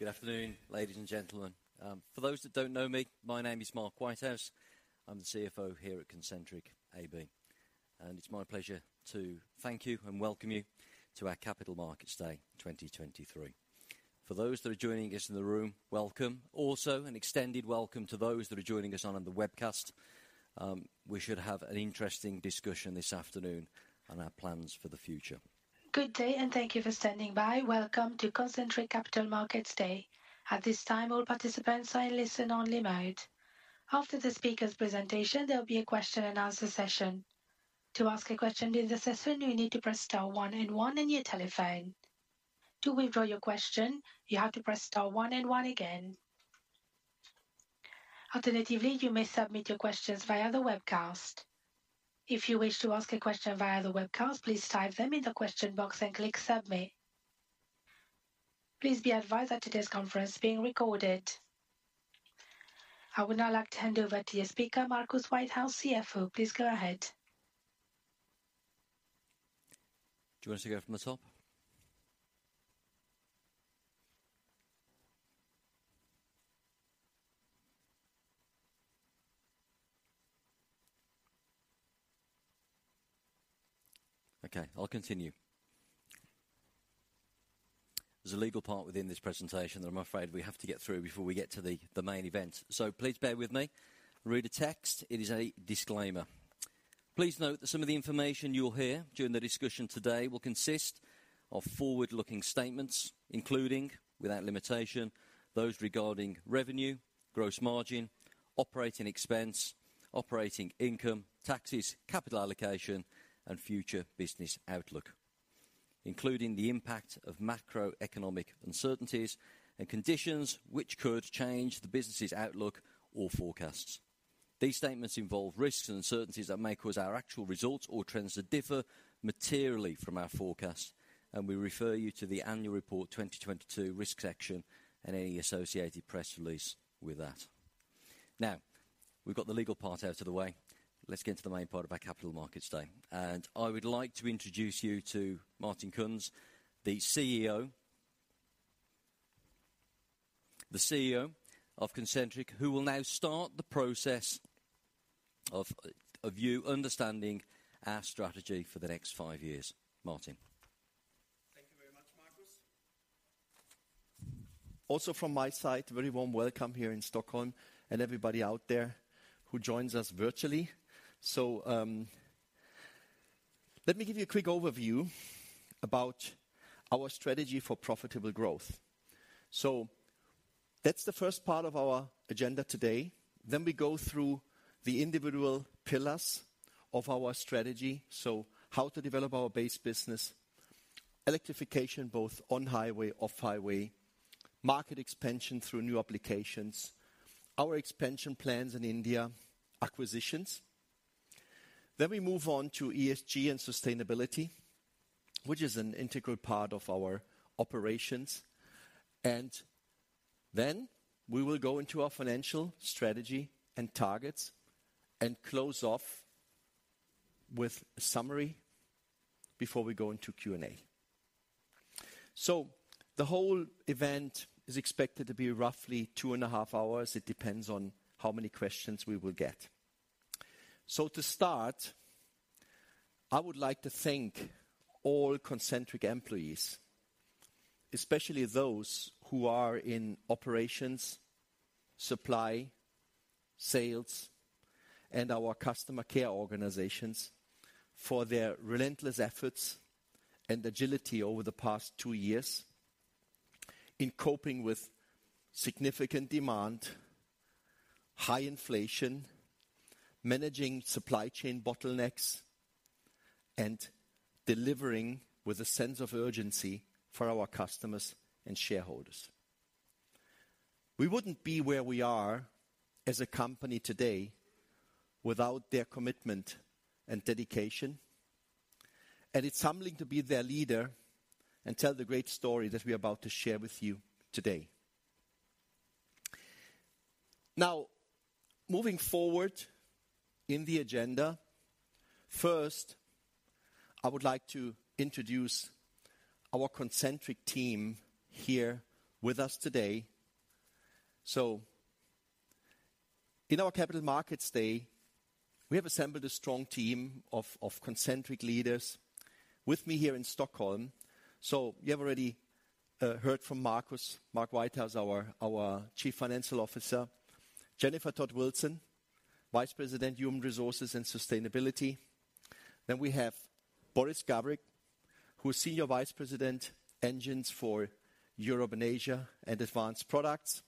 Good afternoon, ladies and gentlemen. For those that don't know me, my name is Marcus Whitehouse. I'm the CFO here at Concentric AB. It's my pleasure to thank you and welcome you to our Capital Markets Day 2023. For those that are joining us in the room, welcome. Also, an extended welcome to those that are joining us on the webcast. We should have an interesting discussion this afternoon on our plans for the future. Good day. Thank you for standing by. Welcome to Concentric Capital Markets Day. At this time, all participants are in listen-only mode. After the speakers presentation, there'll be a question and answer session. To ask a question during the session, you need to press star one and one on your telephone. To withdraw your question, you have to press star one and one again. Alternatively, you may submit your questions via the webcast. If you wish to ask a question via the webcast, please type them in the question box and click Send Me. Please be advised that today's conference is being recorded. I would now like to hand over to your speaker, Marcus Whitehouse, CFO. Please go ahead. Do you want to take it from the top? Okay, I'll continue. There's a legal part within this presentation that I'm afraid we have to get through before we get to the main event. Please bear with me. Read a text. It is a disclaimer. Please note that some of the information you'll hear during the discussion today will consist of forward-looking statements, including, without limitation, those regarding revenue, gross margin, Operating Expense, Operating Income, Taxes, Capital Allocation, and future business outlook, including the impact of Macroeconomic uncertainties and conditions which could change the business's outlook or forecasts. These statements involve risks and uncertainties that may cause our actual results or trends to differ materially from our forecasts. We refer you to the annual report 2022 risk section and any associated press release with that. We've got the legal part out of the way. Let's get into the main part of our Capital Markets Day. I would like to introduce you to Martin Kunz, the CEO of Concentric, who will now start the process of you understanding our strategy for the next five years. Martin. Thank you very much, Marcus. Also from my side, very warm welcome here in Stockholm and everybody out there who joins us virtually. Let me give you a quick overview about our strategy for profitable growth. That's the first part of our agenda today. We go through the individual pillars of our strategy, how to develop our base business, Electrification, both on-highway, off-highway, market expansion through new applications, our expansion plans in India, acquisitions. We move on to ESG and sustainability, which is an integral part of our operations. We will go into our financial strategy and targets and close off with a summary before we go into Q&A. The whole event is expected to be roughly 2.5 hours. It depends on how many questions we will get. To start, I would like to thank all Concentric Employees, especially those who are in operations, supply, sales, and our customer care organizations, for their relentless efforts and agility over the past two years in coping with significant demand, high inflation, managing supply chain bottlenecks, and delivering with a sense of urgency for our customers and shareholders. We wouldn't be where we are as a company today without their commitment and dedication, and it's humbling to be their leader and tell the great story that we're about to share with you today. Moving forward in the agenda, first, I would like to introduce our Concentric team here with us today. In our Capital Markets Day, we have assembled a strong team of Concentric leaders with me here in Stockholm. You have already heard from Marcus, Mark Whitehouse, our Chief Financial Officer. Jennifer Todd-Wilson, Vice President, Human Resources and Sustainability. We have Boris Gavric, who is Senior Vice President, Engines for Europe and Asia and Advanced Products.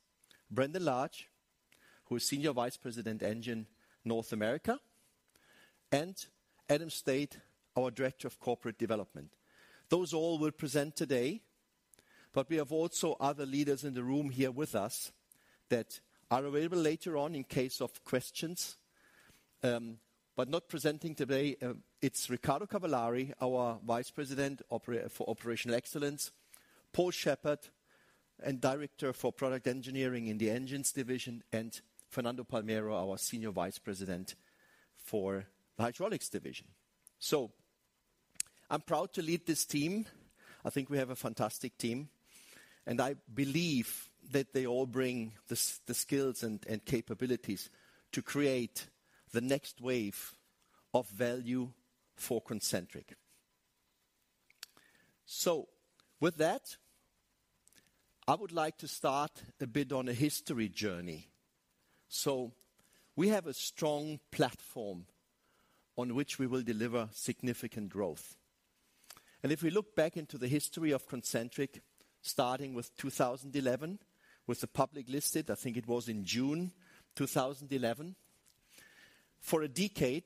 Brandon Larche, who is Senior Vice President, Engine North America, and Adam Staite, our Director of Corporate Development. Those all will present today, we have also other leaders in the room here with us that are available later on in case of questions. Not presenting today, it's Riccardo Cavallari, our Vice President for Operational Excellence, Paul Shepherd and Director for Product Engineering in the Engines Division, and Fernando Palmero, our Senior Vice President for the Hydraulics Division. I'm proud to lead this team. I think we have a fantastic team, and I believe that they all bring the skills and capabilities to create the next wave of value for Concentric. With that, I would like to start a bit on a history journey. We have a strong platform on which we will deliver significant growth. If we look back into the history of Concentric, starting with 2011, with the public listed, I think it was in June 2011. For a decade,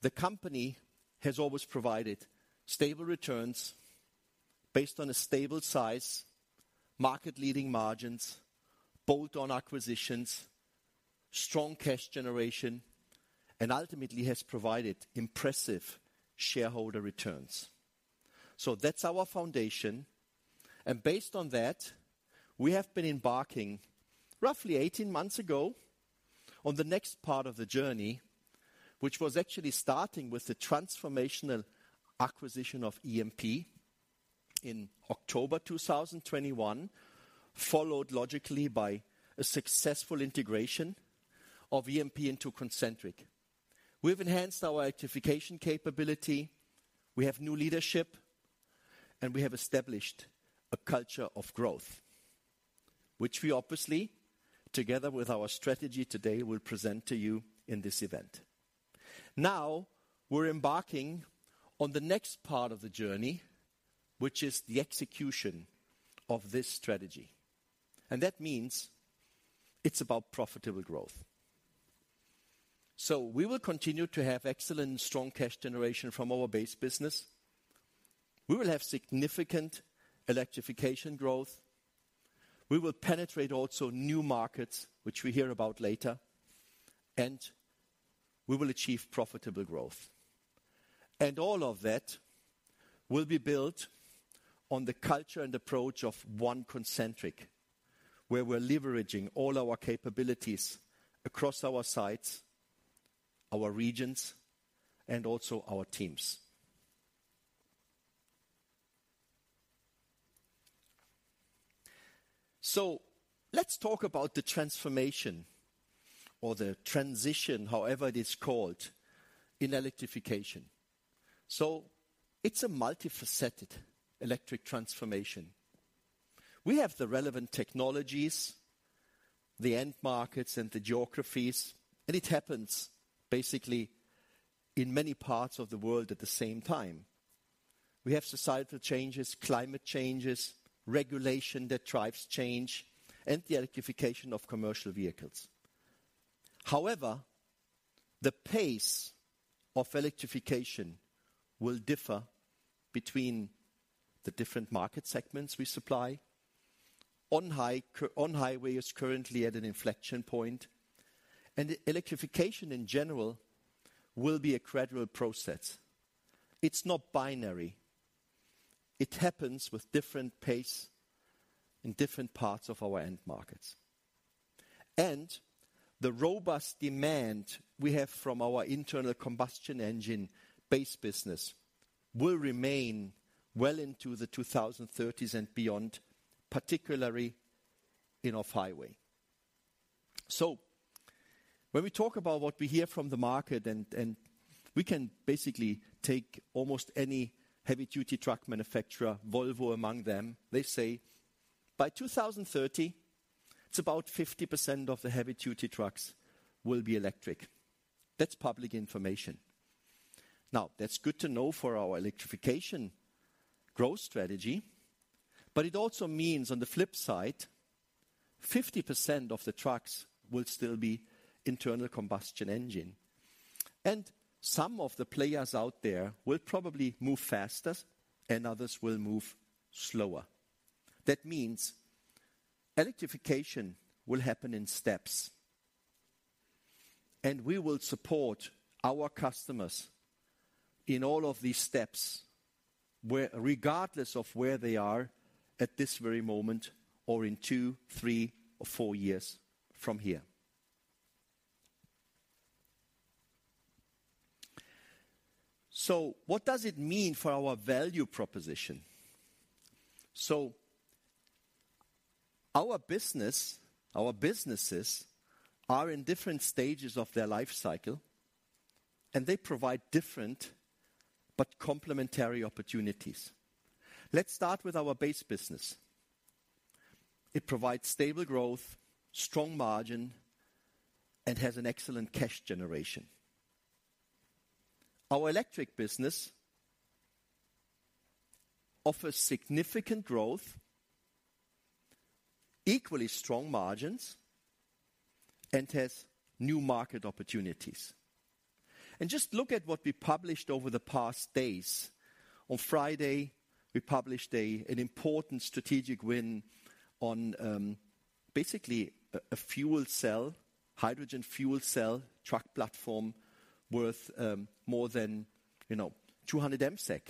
the company has always provided stable returns based on a stable size, market-leading margins, bolt-on acquisitions, strong cash generation, and ultimately has provided impressive shareholder returns. That's our foundation. Based on that, we have been embarking roughly 18 months ago on the next part of the journey, which was actually starting with the transformational acquisition of EMP in October 2021, followed logically by a successful integration of EMP into Concentric. We have enhanced our Electrification capability. We have new leadership, and we have established a culture of growth, which we obviously, together with our strategy today, will present to you in this event. Now we're embarking on the next part of the journey, which is the execution of this strategy, and that means it's about profitable growth. We will continue to have excellent strong cash generation from our base business. We will have significant Electrification growth. We will penetrate also new markets, which we hear about later, and we will achieve profitable growth. All of that will be built on the culture and approach of One Concentric, where we're leveraging all our capabilities across our sites, our regions, and also our teams. Let's talk about the transformation or the transition, however it is called in Electrification. It's a multifaceted electric transformation. We have the relevant technologies, the end markets and the geographies, and it happens basically in many parts of the world at the same time. We have societal changes, climate changes, regulation that drives change, and the Electrification of commercial vehicles. However, the pace of Electrification will differ between the different market segments we supply. On-highway is currently at an inflection point, and Electrification in general will be a gradual process. It's not binary. It happens with different pace in different parts of our end markets. The robust demand we have from our internal combustion engine-based business will remain well into the 2030s and beyond, particularly in off-highway. When we talk about what we hear from the market and we can basically take almost any heavy-duty truck manufacturer, Volvo among them, they say by 2030, it's about 50% of the heavy-duty trucks will be electric. That's public information. That's good to know for our Electrification growth strategy. It also means, on the flip side, 50% of the trucks will still be internal combustion engine, and some of the players out there will probably move faster and others will move slower. That means Electrification will happen in steps, and we will support our customers in all of these steps where regardless of where they are at this very moment or in two, three, or four years from here. What does it mean for our value proposition? Our businesses are in different stages of their life cycle, and they provide different but complementary opportunities. Let's start with our base business. It provides stable growth, strong margin, and has an excellent cash generation. Our electric business offers significant growth, equally strong margins, and has new market opportunities. Just look at what we published over the past days. On Friday, we published an important strategic win on basically a Fuel Cell, Hydrogen Fuel Cell truck platform worth, you know, more than 200 MSEK.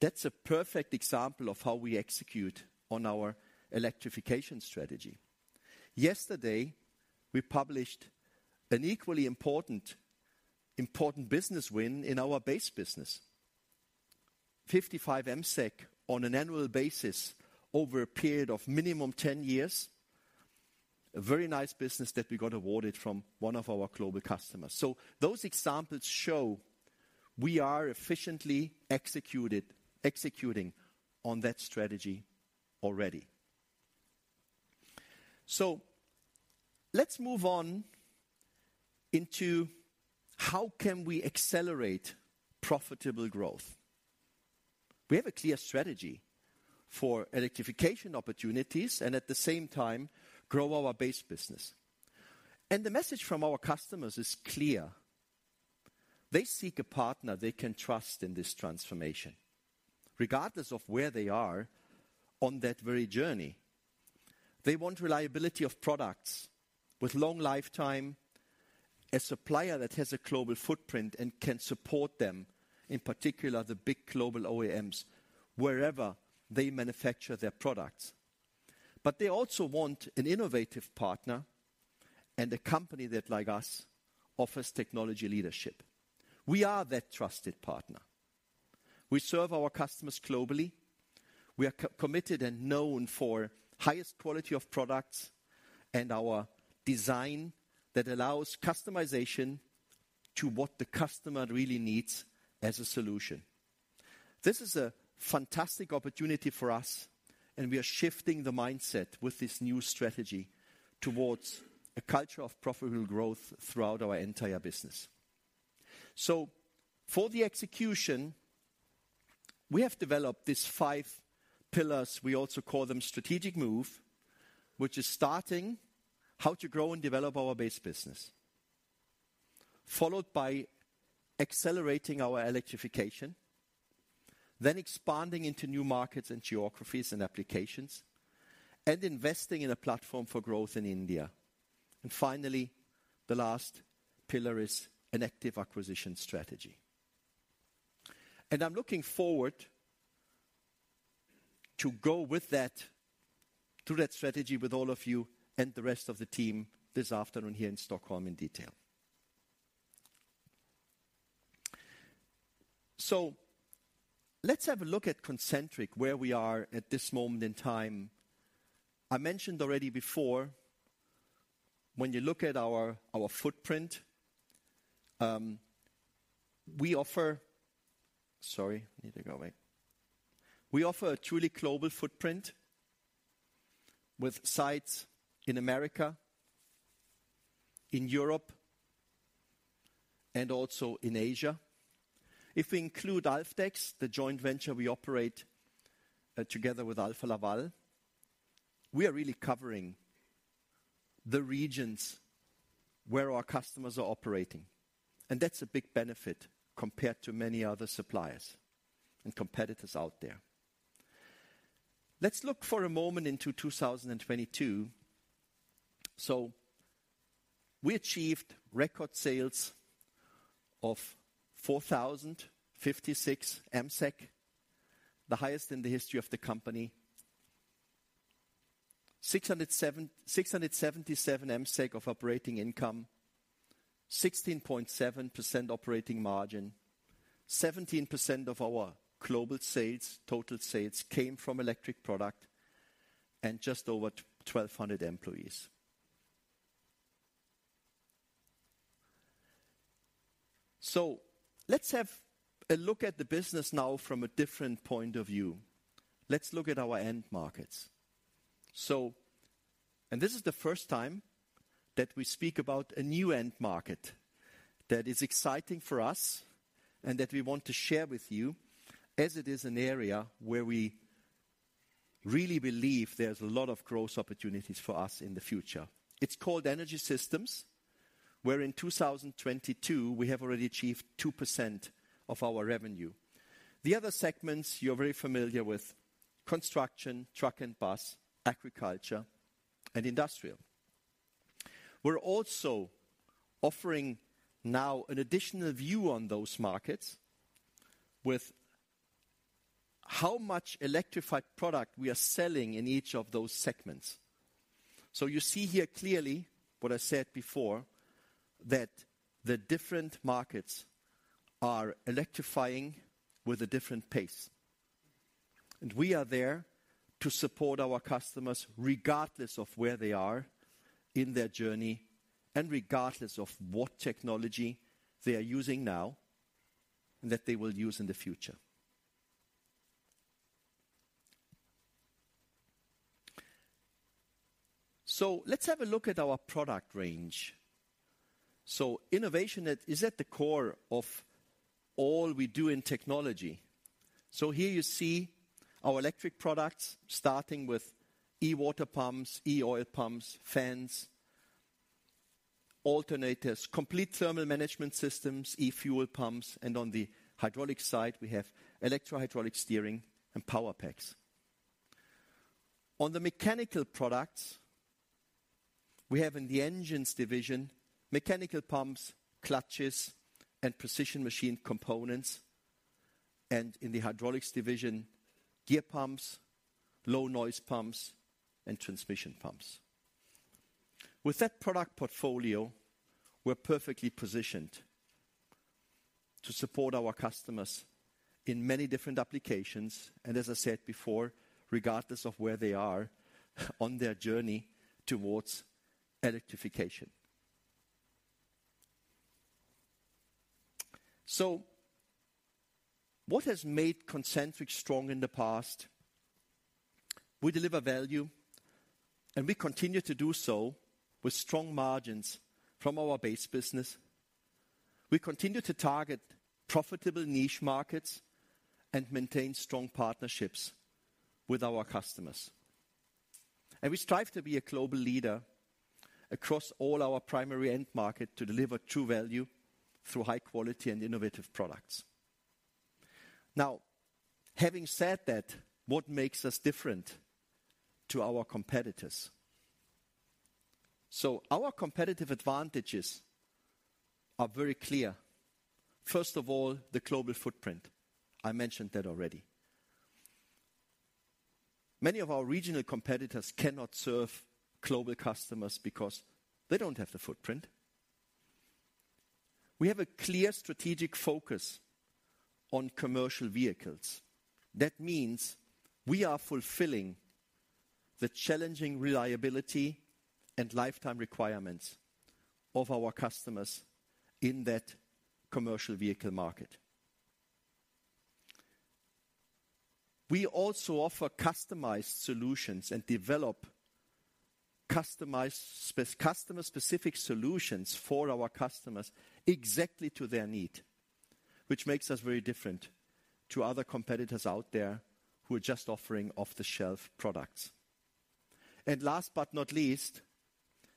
That's a perfect example of how we execute on our Electrification strategy. Yesterday, we published an equally important business win in our base business. 55 MSEK on an annual basis over a period of minimum 10 years. A very nice business that we got awarded from one of our global customers. Those examples show we are efficiently executing on that strategy already. Let's move on into how can we accelerate profitable growth? We have a clear strategy for Electrification opportunities and at the same time grow our base business. The message from our customers is clear. They seek a partner they can trust in this transformation, regardless of where they are on that very journey. They want reliability of products with long lifetime, a supplier that has a global footprint and can support them, in particular, the big Global OEMs, wherever they manufacture their products. They also want an innovative partner and a company that, like us, offers technology leadership. We are that trusted partner. We serve our customers globally. We are co-committed and known for highest quality of products and our design that allows customization to what the customer really needs as a solution. This is a fantastic opportunity for us. We are shifting the mindset with this new strategy towards a culture of profitable growth throughout our entire business. For the execution, we have developed these five pillars. We also call them strategic move, which is starting how to grow and develop our base business, followed by accelerating our Electrification, expanding into new markets and geographies and applications, investing in a platform for growth in India. Finally, the last pillar is an active acquisition strategy. I'm looking forward to go through that strategy with all of you and the rest of the team this afternoon here in Stockholm in detail. Let's have a look at Concentric, where we are at this moment in time. I mentioned already before, when you look at our footprint, we offer. Sorry, I need to go away. We offer a truly global footprint with sites in America, in Europe, and also in Asia. If we include Alfdex, the joint venture we operate together with Alfa Laval, we are really covering the regions where our customers are operating, and that's a big benefit compared to many other suppliers and competitors out there. Let's look for a moment into 2022. We achieved record sales of 4,056 MSEK, the highest in the history of the company. 677 MSEK of operating income, 16.7% operating margin. 17% of our global sales, total sales came from electric product and just over 1,200 employees. Let's have a look at the business now from a different point of view. Let's look at our end markets. This is the first time that we speak about a new end market that is exciting for us and that we want to share with you as it is an area where we really believe there's a lot of growth opportunities for us in the future. It's called Energy Systems, where in 2022, we have already achieved 2% of our revenue. The other segments you're very familiar with: construction, truck and bus, agriculture, and industrial. We're also offering now an additional view on those markets with how much electrified product we are selling in each of those segments. You see here clearly what I said before, that the different markets are electrifying with a different pace, and we are there to support our customers regardless of where they are in their journey and regardless of what technology they are using now that they will use in the future. Let's have a look at our product range. Innovation is at the core of all we do in technology. Here you see our electric products starting with e-water pumps, e-oil pumps, fans, alternators, complete thermal management systems, e-fuel pumps. On the hydraulic side, we have Electro-Hydraulic Steering and Power Packs. On the mechanical products, we have in the engines division, mechanical pumps, clutches, and precision machine components. In the hydraulics division, Gear Pumps, low noise pumps, and Transmission Pumps. With that product portfolio, we're perfectly positioned to support our customers in many different applications, as I said before, regardless of where they are on their journey towards Electrification. What has made Concentric strong in the past? We deliver value, we continue to do so with strong margins from our base business. We continue to target profitable niche markets and maintain strong partnerships with our customers. We strive to be a global leader across all our primary end market to deliver true value through high quality and innovative products. Having said that, what makes us different to our competitors? Our competitive advantages are very clear. First of all, the global footprint. I mentioned that already. Many of our regional competitors cannot serve global customers because they don't have the footprint. We have a clear strategic focus on commercial vehicles. That means we are fulfilling the challenging reliability and lifetime requirements of our customers in that commercial vehicle market. We also offer customized solutions and develop customized customer-specific solutions for our customers exactly to their need, which makes us very different to other competitors out there who are just offering off-the-shelf products. Last but not least,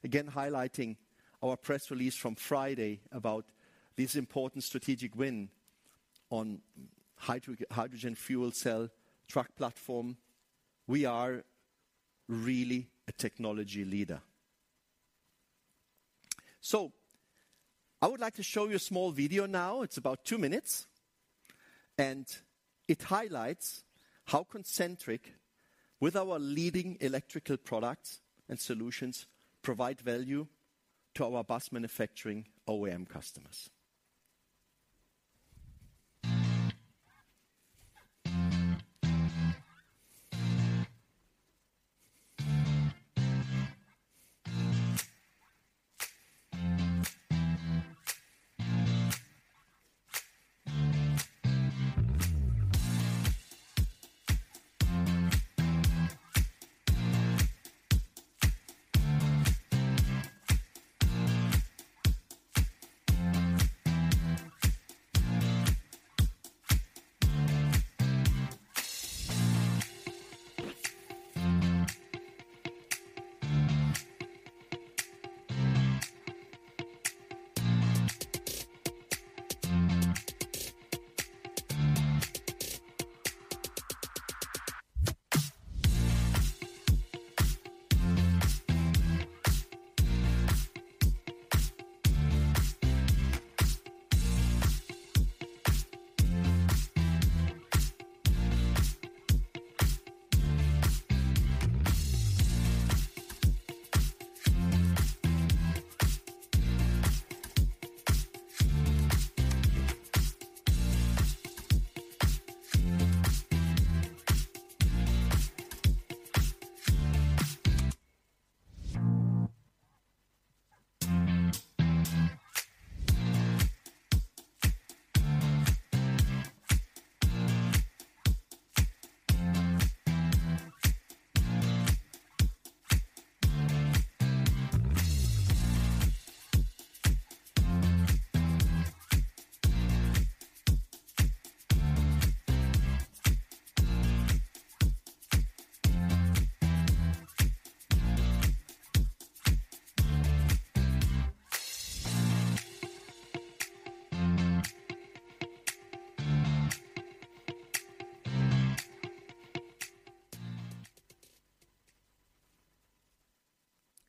again, highlighting our press release from Friday about this important strategic win on hydrogen Fuel Cell truck platform, we are really a technology leader. I would like to show you a small video now. It's about two minutes, and it highlights how Concentric with our leading electrical products and solutions provide value to our bus manufacturing OEM customers.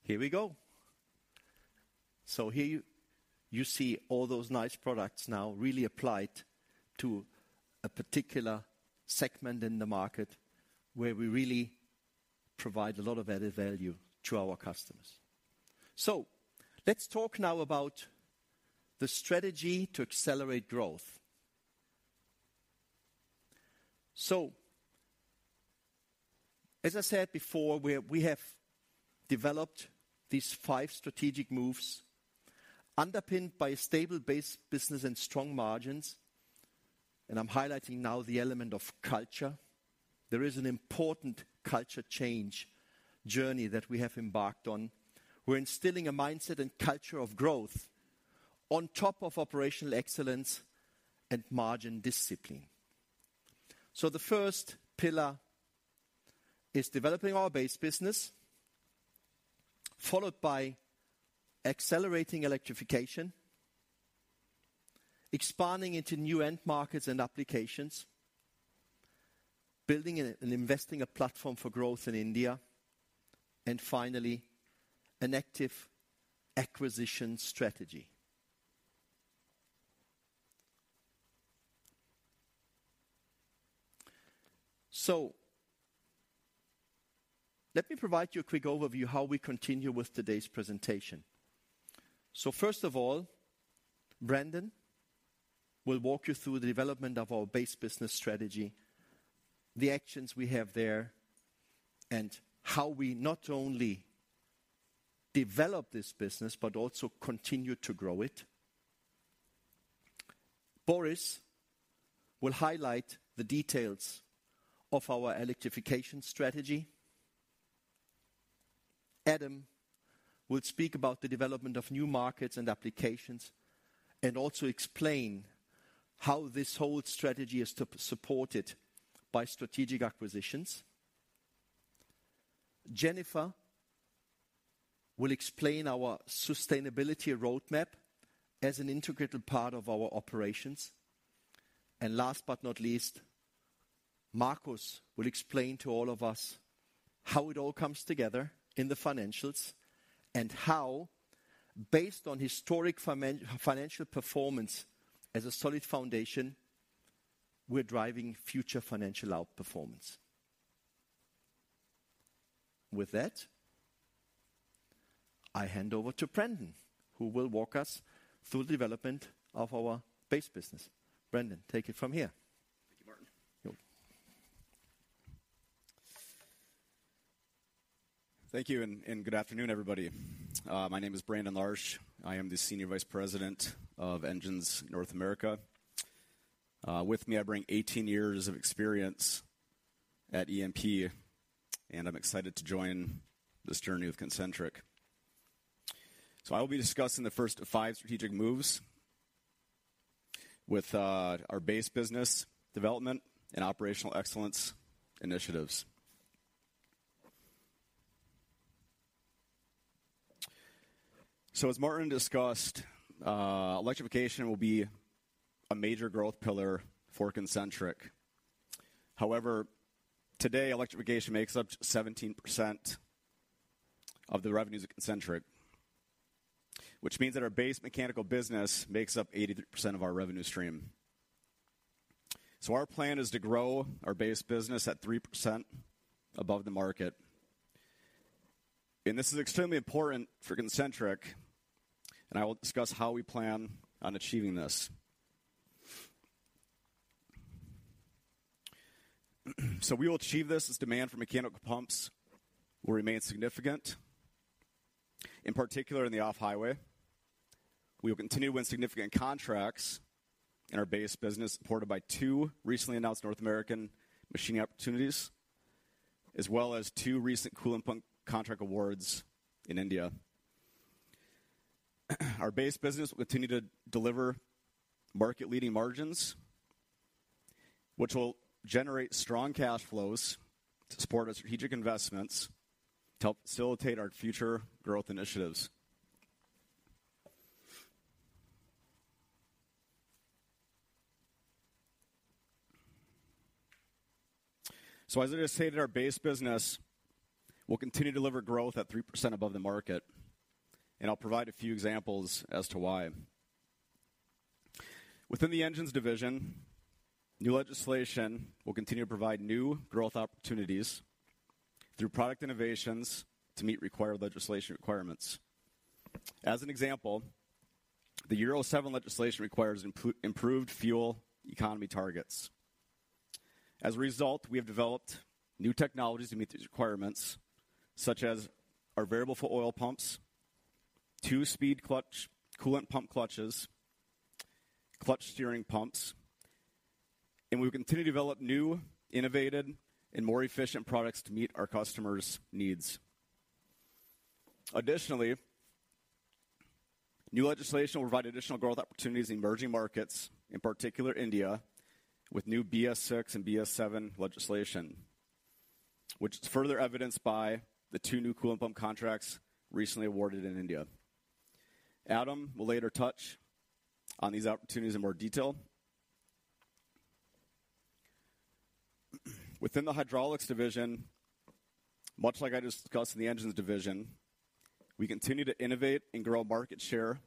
Here we go. Here you see all those nice products now really applied to a particular segment in the market where we really provide a lot of added value to our customers. Let's talk now about the strategy to accelerate growth. As I said before, we have developed these five strategic moves underpinned by a stable base business and strong margins. I'm highlighting now the element of culture. There is an important culture change journey that we have embarked on. We're instilling a mindset and culture of growth on top of operational excellence and margin discipline. The first pillar is developing our base business, followed by accelerating Electrification, expanding into new end markets and applications, building and investing a platform for growth in India, and finally, an active acquisition strategy. Let me provide you a quick overview how we continue with today's presentation. First of all, Brandon will walk you through the development of our base business strategy, the actions we have there, and how we not only develop this business, but also continue to grow it. Boris will highlight the details of our Electrification strategy. Adam will speak about the development of new markets and applications, and also explain how this whole strategy is supported by strategic acquisitions. Jennifer will explain our sustainability roadmap as an integrated part of our operations. Last but not least, Markus will explain to all of us how it all comes together in the financials and how, based on historic financial performance as a solid foundation, we're driving future financial outperformance. With that, I hand over to Brandon, who will walk us through the development of our base business. Brandon, take it from here. Thank you, Martin. You're welcome. Thank you, and good afternoon, everybody. My name is Brandon Larche. I am the Senior Vice President of Engines North America. With me, I bring 18 years of experience at EMP, and I'm excited to join this journey with Concentric. I will be discussing the first of five strategic moves with our base business development and operational excellence initiatives. As Martin discussed, Electrification will be a major growth pillar for Concentric. Today, Electrification makes up 17% of the revenues at Concentric, which means that our base mechanical business makes up 83% of our revenue stream. Our plan is to grow our base business at 3% above the market. This is extremely important for Concentric, and I will discuss how we plan on achieving this. We will achieve this as demand for mechanical pumps will remain significant, in particular in the off-highway. We will continue to win significant contracts in our base business, supported by two recently announced North American machining opportunities, as well as two recent coolant pump contract awards in India. Our base business will continue to deliver market-leading margins, which will generate strong cash flows to support our strategic investments to help facilitate our future growth initiatives. As I just stated, our base business will continue to deliver growth at 3% above the market, and I'll provide a few examples as to why. Within the engines division, new legislation will continue to provide new growth opportunities through product innovations to meet required legislation requirements. As an example, the Euro 7 legislation requires improved fuel economy targets. As a result, we have developed new technologies to meet these requirements, such as our variable oil pumps, Two Speed Clutch, coolant pump clutches, clutch steering pumps, and we continue to develop new, innovative, and more efficient products to meet our customers' needs. Additionally, new legislation will provide additional growth opportunities in emerging markets, in particular India, with new BS-VI and BS-VII legislation, which is further evidenced by the two new coolant pump contracts recently awarded in India. Adam will later touch on these opportunities in more detail. Within the Hydraulics Division, much like I just discussed in the Engines Division, we continue to innovate and grow market share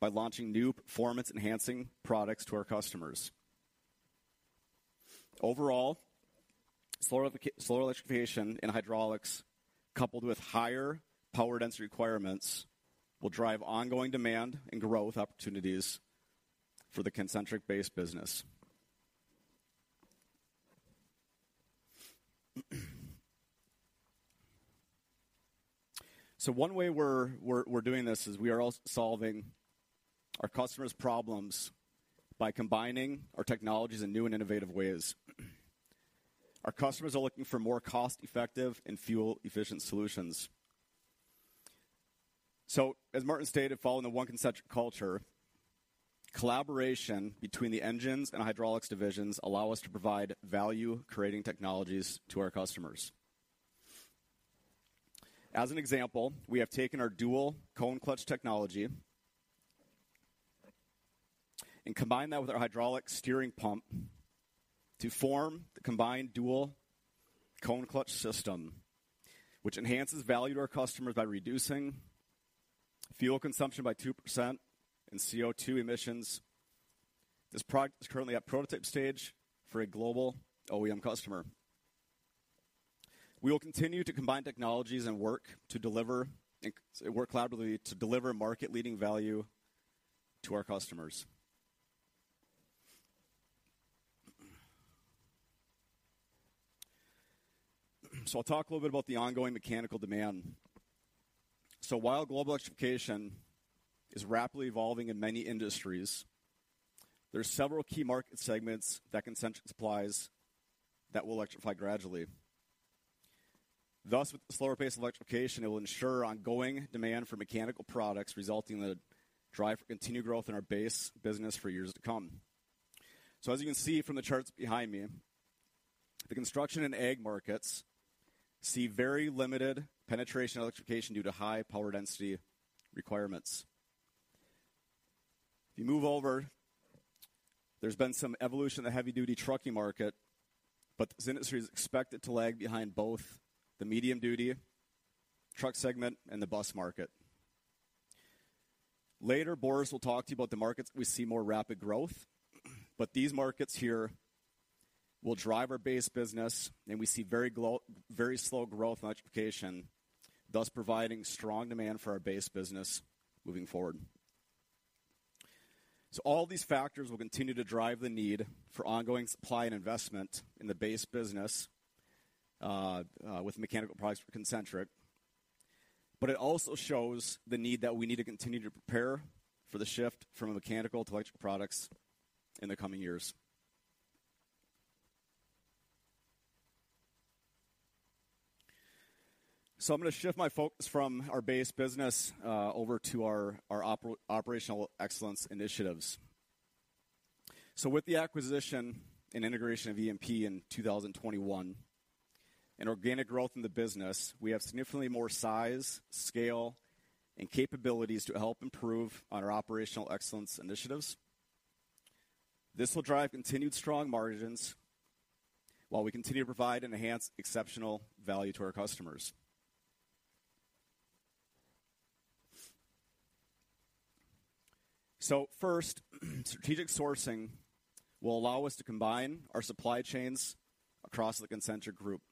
by launching new performance-enhancing products to our customers. Overall, slower Electrification in Hydraulics, coupled with higher power density requirements, will drive ongoing demand and growth opportunities for the Concentric base business. One way we're doing this is we are also solving our customers' problems by combining our technologies in new and innovative ways. Our customers are looking for more cost-effective and fuel-efficient solutions. As Martin stated, following the One Concentric culture, collaboration between the Engines and Hydraulics divisions allow us to provide value-creating technologies to our customers. As an example, we have taken our Dual Cone Clutch technology and combined that with our hydraulic steering pump to form the combined Dual Cone Clutch system, which enhances value to our customers by reducing fuel consumption by 2% and CO2 Emissions. This product is currently at prototype stage for a global OEM customer. We will continue to combine technologies and work collaboratively to deliver market-leading value to our customers. I'll talk a little bit about the ongoing mechanical demand. While global Electrification is rapidly evolving in many industries, there are several key market segments that Concentric supplies that will electrify gradually. Thus, with the slower pace of Electrification, it will ensure ongoing demand for mechanical products, resulting in a drive for continued growth in our base business for years to come. As you can see from the charts behind me, the construction and ag markets see very limited penetration of Electrification due to high power density requirements. If you move over, there's been some evolution in the heavy duty trucking market, but this industry is expected to lag behind both the medium duty truck segment and the bus market. Later, Boris will talk to you about the markets we see more rapid growth, but these markets here will drive our base business, and we see very very slow growth in Electrification, thus providing strong demand for our base business moving forward. All these factors will continue to drive the need for ongoing supply and investment in the base business with mechanical products for Concentric. It also shows the need that we need to continue to prepare for the shift from mechanical to electrical products in the coming years. I'm gonna shift my focus from our base business over to our operational excellence initiatives. With the acquisition and integration of EMP in 2021, and organic growth in the business, we have significantly more size, scale, and capabilities to help improve on our operational excellence initiatives. First, strategic sourcing will allow us to combine our supply chains across the Concentric group.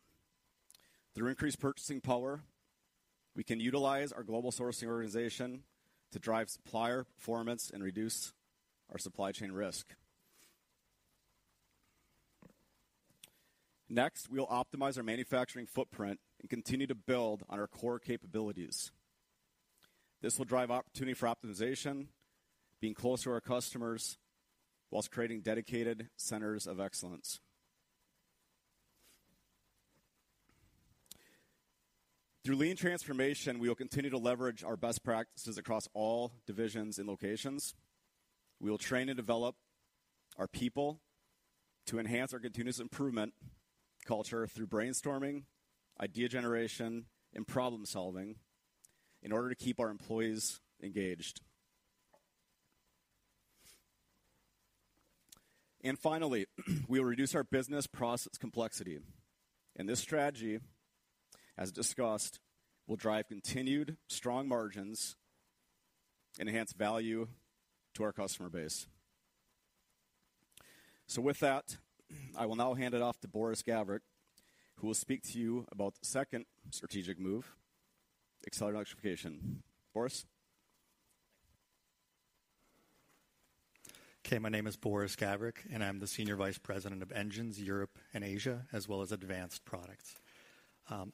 Through increased purchasing power, we can utilize our global sourcing organization to drive supplier performance and reduce our supply chain risk. Next, we'll optimize our manufacturing footprint and continue to build on our core capabilities. This will drive opportunity for optimization, being closer to our customers while creating dedicated centers of excellence. Through lean transformation, we will continue to leverage our best practices across all divisions and locations. We will train and develop our people to enhance our continuous improvement culture through brainstorming, idea generation, and problem-solving in order to keep our employees engaged. Finally, we'll reduce our business process complexity. This strategy, as discussed, will drive continued strong margins, enhance value to our customer base. With that, I will now hand it off to Boris Gavric, who will speak to you about the second strategic move, accelerated Electrification. Boris. My name is Boris Gavric, I'm the Senior Vice President of Engines Europe and Asia, as well as Advanced Products.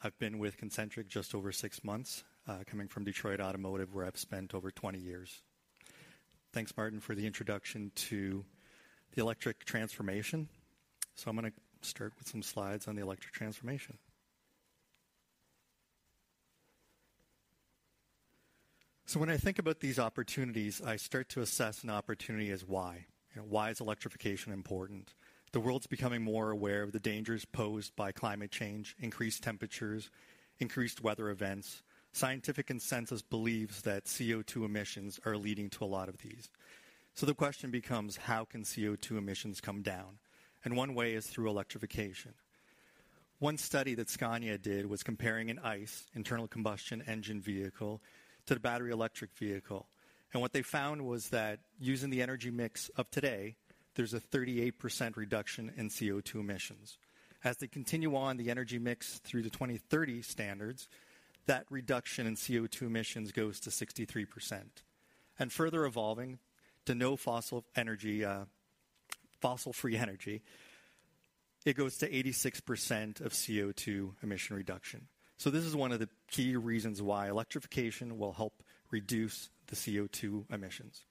I've been with Concentric just over six months, coming from Detroit Automotive, where I've spent over 20 years. Thanks, Martin, for the introduction to the electric transformation. I'm gonna start with some slides on the electric transformation. When I think about these opportunities, I start to assess an opportunity as why. You know, why is Electrification important? The world's becoming more aware of the dangers posed by climate change, increased temperatures, increased weather events. Scientific consensus believes that CO2 Emissions are leading to a lot of these. The question becomes: how can CO2 Emissions come down? One way is through Electrification. One study that Scania did was comparing an ICE, internal combustion engine vehicle, to the battery electric vehicle. What they found was that using the energy mix of today, there's a 38% reduction in CO2 Emissions. As they continue on the energy mix through the 2030 standards, that reduction in CO2 Emissions goes to 63%. Further evolving to no fossil energy, fossil-free energy, it goes to 86% of CO2 emission reduction. This is one of the key reasons why Electrification will help reduce the CO2 Emissions.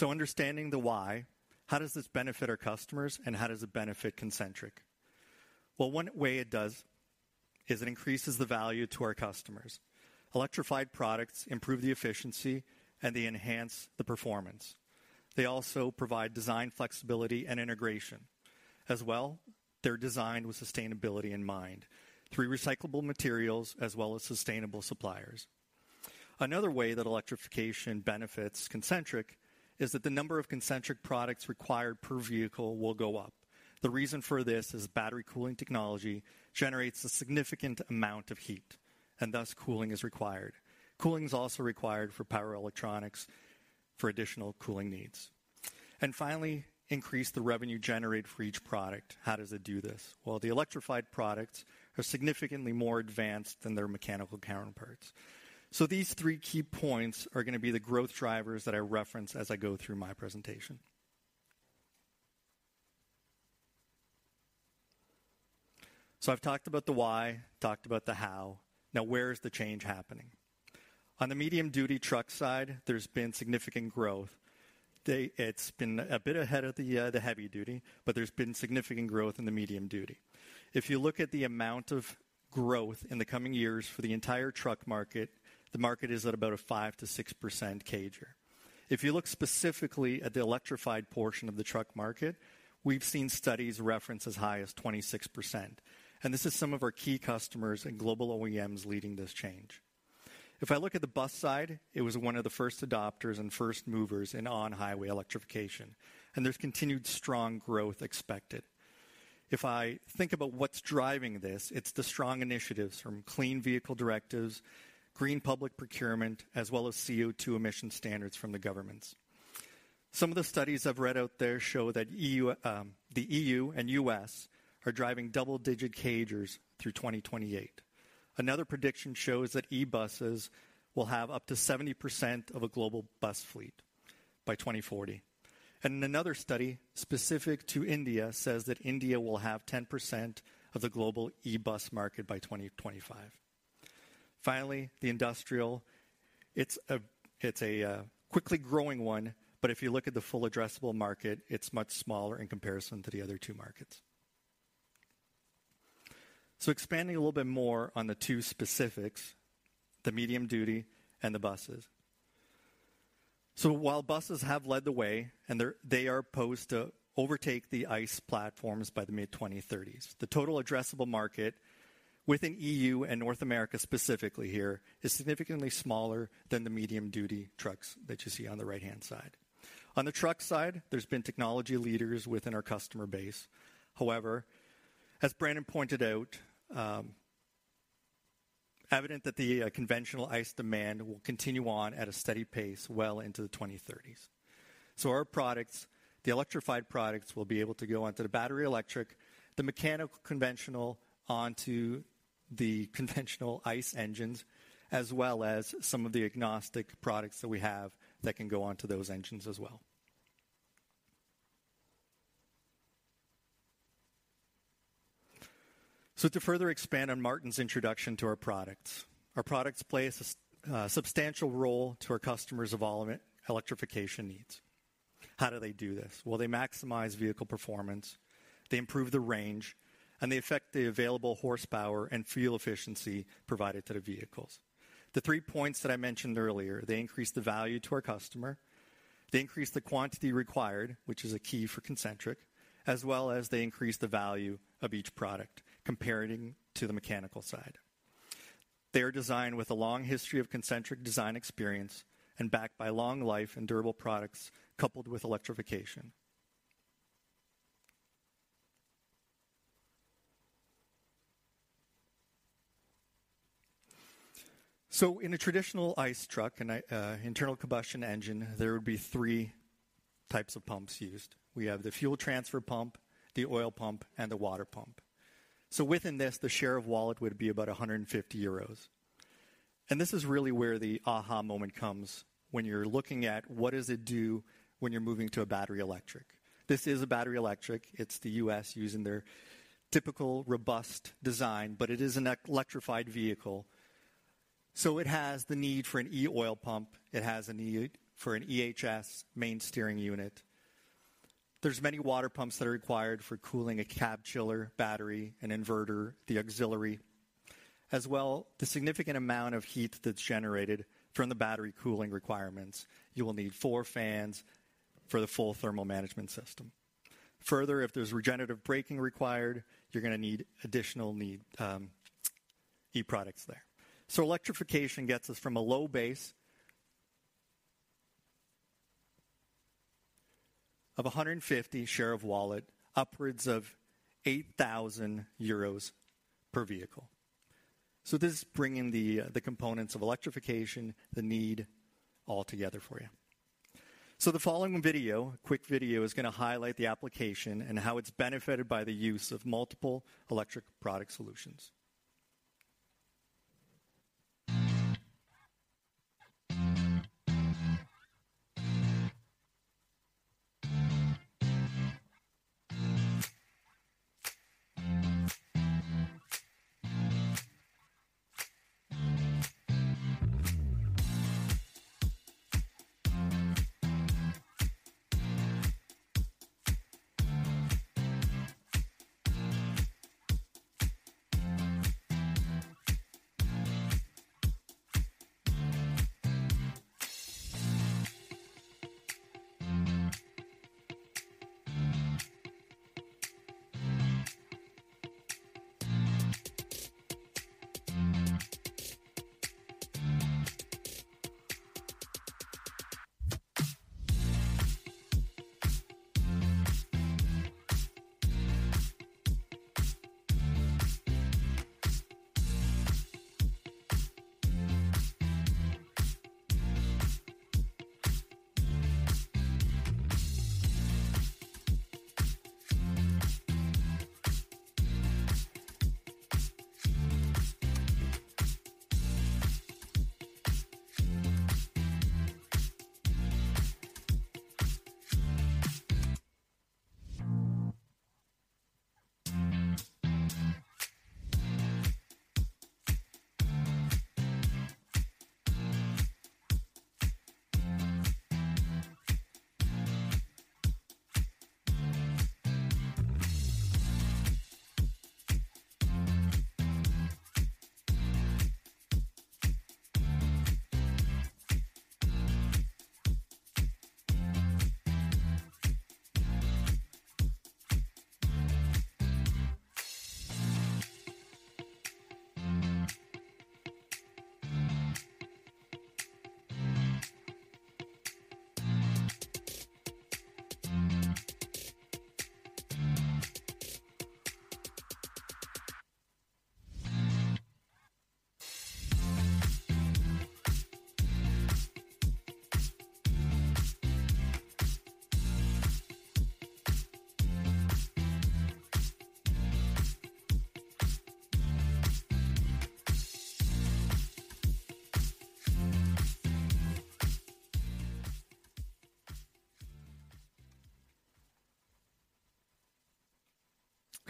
Understanding the why, how does this benefit our customers, and how does it benefit Concentric? One way it does is it increases the value to our customers. Electrified products improve the efficiency and they enhance the performance. They also provide design flexibility and integration. As well, they're designed with sustainability in mind through recyclable materials as well as sustainable suppliers. Another way that Electrification benefits Concentric is that the number of Concentric products required per vehicle will go up. The reason for this is battery cooling technology generates a significant amount of heat, and thus cooling is required. Cooling is also required for power electronics for additional cooling needs. Finally, increase the revenue generated for each product. How does it do this? Well, the electrified products are significantly more advanced than their mechanical counterparts. These three key points are gonna be the growth drivers that I reference as I go through my presentation. I've talked about the why, talked about the how. Now where is the change happening? On the medium-duty truck side, there's been significant growth. It's been a bit ahead of the heavy-duty, but there's been significant growth in the medium-duty. If you look at the amount of growth in the coming years for the entire truck market, the market is at about a 5-6% CAGR. If you look specifically at the electrified portion of the truck market, we've seen studies reference as high as 26%, and this is some of our key customers and global OEMs leading this change. If I look at the bus side, it was one of the first adopters and first movers in on-highway Electrification, and there's continued strong growth expected. If I think about what's driving this, it's the strong initiatives from Clean Vehicle Directive, Green Public Procurement, as well as CO2 emission standards from the governments. Some of the studies I've read out there show that the EU and U.S. are driving double-digit CAGRs through 2028. Another prediction shows that e-buses will have up to 70% of a global bus fleet by 2040. Another study specific to India says that India will have 10% of the global e-bus market by 2025. Finally, the industrial. It's a, it's a quickly growing one, but if you look at the full addressable market, it's much smaller in comparison to the other two markets. Expanding a little bit more on the two specifics, the medium-duty and the buses. While buses have led the way, and they are posed to overtake the ICE platforms by the mid-2030s. The total addressable market within EU and North America specifically here is significantly smaller than the medium-duty trucks that you see on the right-hand side. On the truck side, there's been technology leaders within our customer base. As Brandon pointed out, evident that the conventional ICE demand will continue on at a steady pace well into the 2030s. Our products, the electrified products, will be able to go onto the battery electric, the mechanical conventional onto the conventional ICE engines, as well as some of the agnostic products that we have that can go onto those engines as well. To further expand on Martin's introduction to our products, our products play a substantial role to our customers of all of it, Electrification needs. How do they do this? Well, they maximize vehicle performance, they improve the range, and they affect the available horsepower and fuel efficiency provided to the vehicles. The three points that I mentioned earlier, they increase the value to our customer, they increase the quantity required, which is a key for Concentric, as well as they increase the value of each product comparing to the mechanical side. They are designed with a long history of Concentric design experience and backed by long life and durable products coupled with Electrification. In a traditional ICE truck, an internal combustion engine, there would be three types of pumps used. We have the fuel transfer pump, the oil pump, and the water pump. Within this, the share of wallet would be about 150 euros. This is really where the aha moment comes when you're looking at what does it do when you're moving to a battery electric. This is a battery electric. It's the U.S. using their typical robust design, it is an e-electrified vehicle, so it has the need for an e-oil pump. It has a need for an EHS main steering unit. There's many water pumps that are required for cooling a cab chiller, battery, an inverter, the auxiliary. The significant amount of heat that's generated from the battery cooling requirements, you will need four fans for the full thermal management system. If there's regenerative braking required, you're gonna need additional need e-products there. Electrification gets us from a low base of 150 share of wallet upwards of 8,000 euros per vehicle. This is bringing the components of Electrification, the need all together for you. The following video, quick video, is going to highlight the application and how it's benefited by the use of multiple electric product solutions.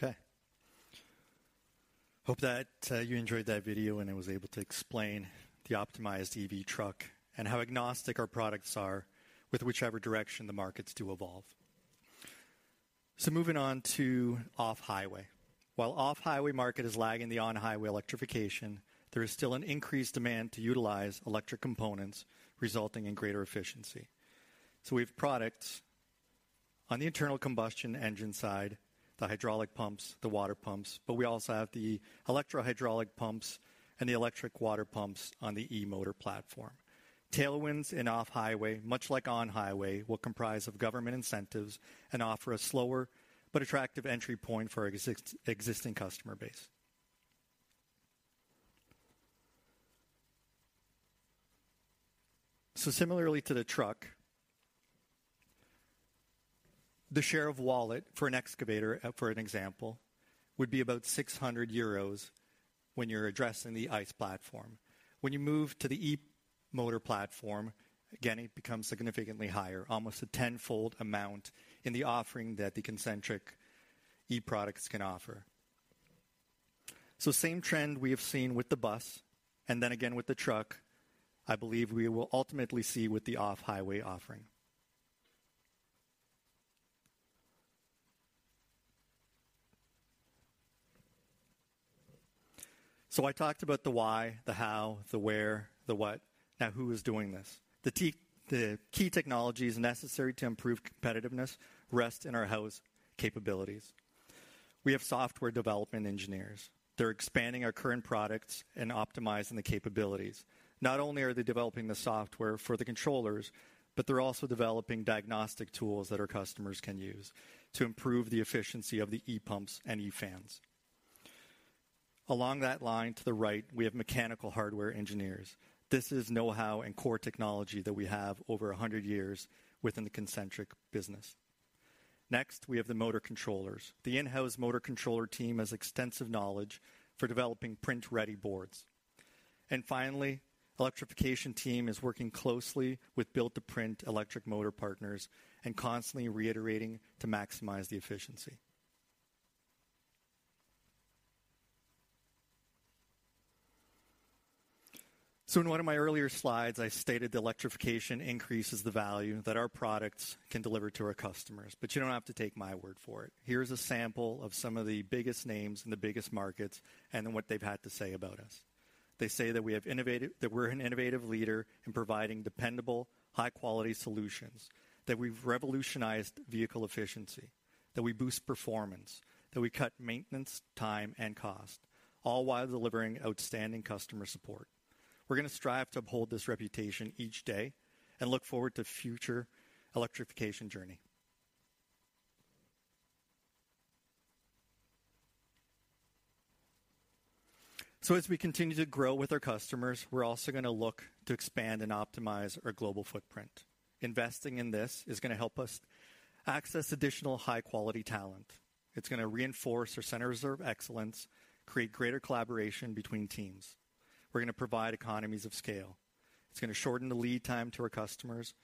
Okay. Hope that you enjoyed that video and it was able to explain the optimized EV truck and how agnostic our products are with whichever direction the markets do evolve. Moving on to off-highway. While off-highway market is lagging the on-highway Electrification, there is still an increased demand to utilize electric components resulting in greater efficiency. We have products on the internal combustion engine side, the hydraulic pumps, the water pumps, but we also have the electro-hydraulic pumps and the electric water pumps on the E-motor platform. Tailwinds in off-highway, much like on-highway, will comprise of government incentives and offer a slower but attractive entry point for existing customer base. Similarly to the truck, the share of wallet for an excavator, for an example, would be about 600 euros when you're addressing the ICE platform. When you move to the E-motor platform, again, it becomes significantly higher, almost a tenfold amount in the offering that the Concentric E-products can offer. Same trend we have seen with the bus and then again with the truck, I believe we will ultimately see with the off-highway offering. I talked about the why, the how, the where, the what. Now who is doing this? The key technologies necessary to improve competitiveness rest in our house capabilities. We have software development engineers. They're expanding our current products and optimizing the capabilities. Not only are they developing the software for the controllers, but they're also developing diagnostic tools that our customers can use to improve the efficiency of the E-pumps and E-fans. Along that line to the right, we have mechanical hardware engineers. This is know-how and core technology that we have over 100 years within the Concentric business. We have the motor controllers. The in-house motor controller team has extensive knowledge for developing print-ready boards. Finally, Electrification team is working closely with build-to-print electric motor partners and constantly reiterating to maximize the efficiency. In one of my earlier slides, I stated that Electrification increases the value that our products can deliver to our customers, but you don't have to take my word for it. Here's a sample of some of the biggest names in the biggest markets and then what they've had to say about us. They say that we have innovated, that we're an innovative leader in providing dependable, high-quality solutions, that we've revolutionized vehicle efficiency, that we boost performance, that we cut maintenance time and cost, all while delivering outstanding customer support. We're gonna strive to uphold this reputation each day and look forward to future Electrification journey. As we continue to grow with our customers, we're also gonna look to expand and optimize our global footprint. Investing in this is gonna help us access additional high-quality talent. It's gonna reinforce our centers of excellence, create greater collaboration between teams. We're gonna provide economies of scale. It's gonna shorten the lead time to our customers.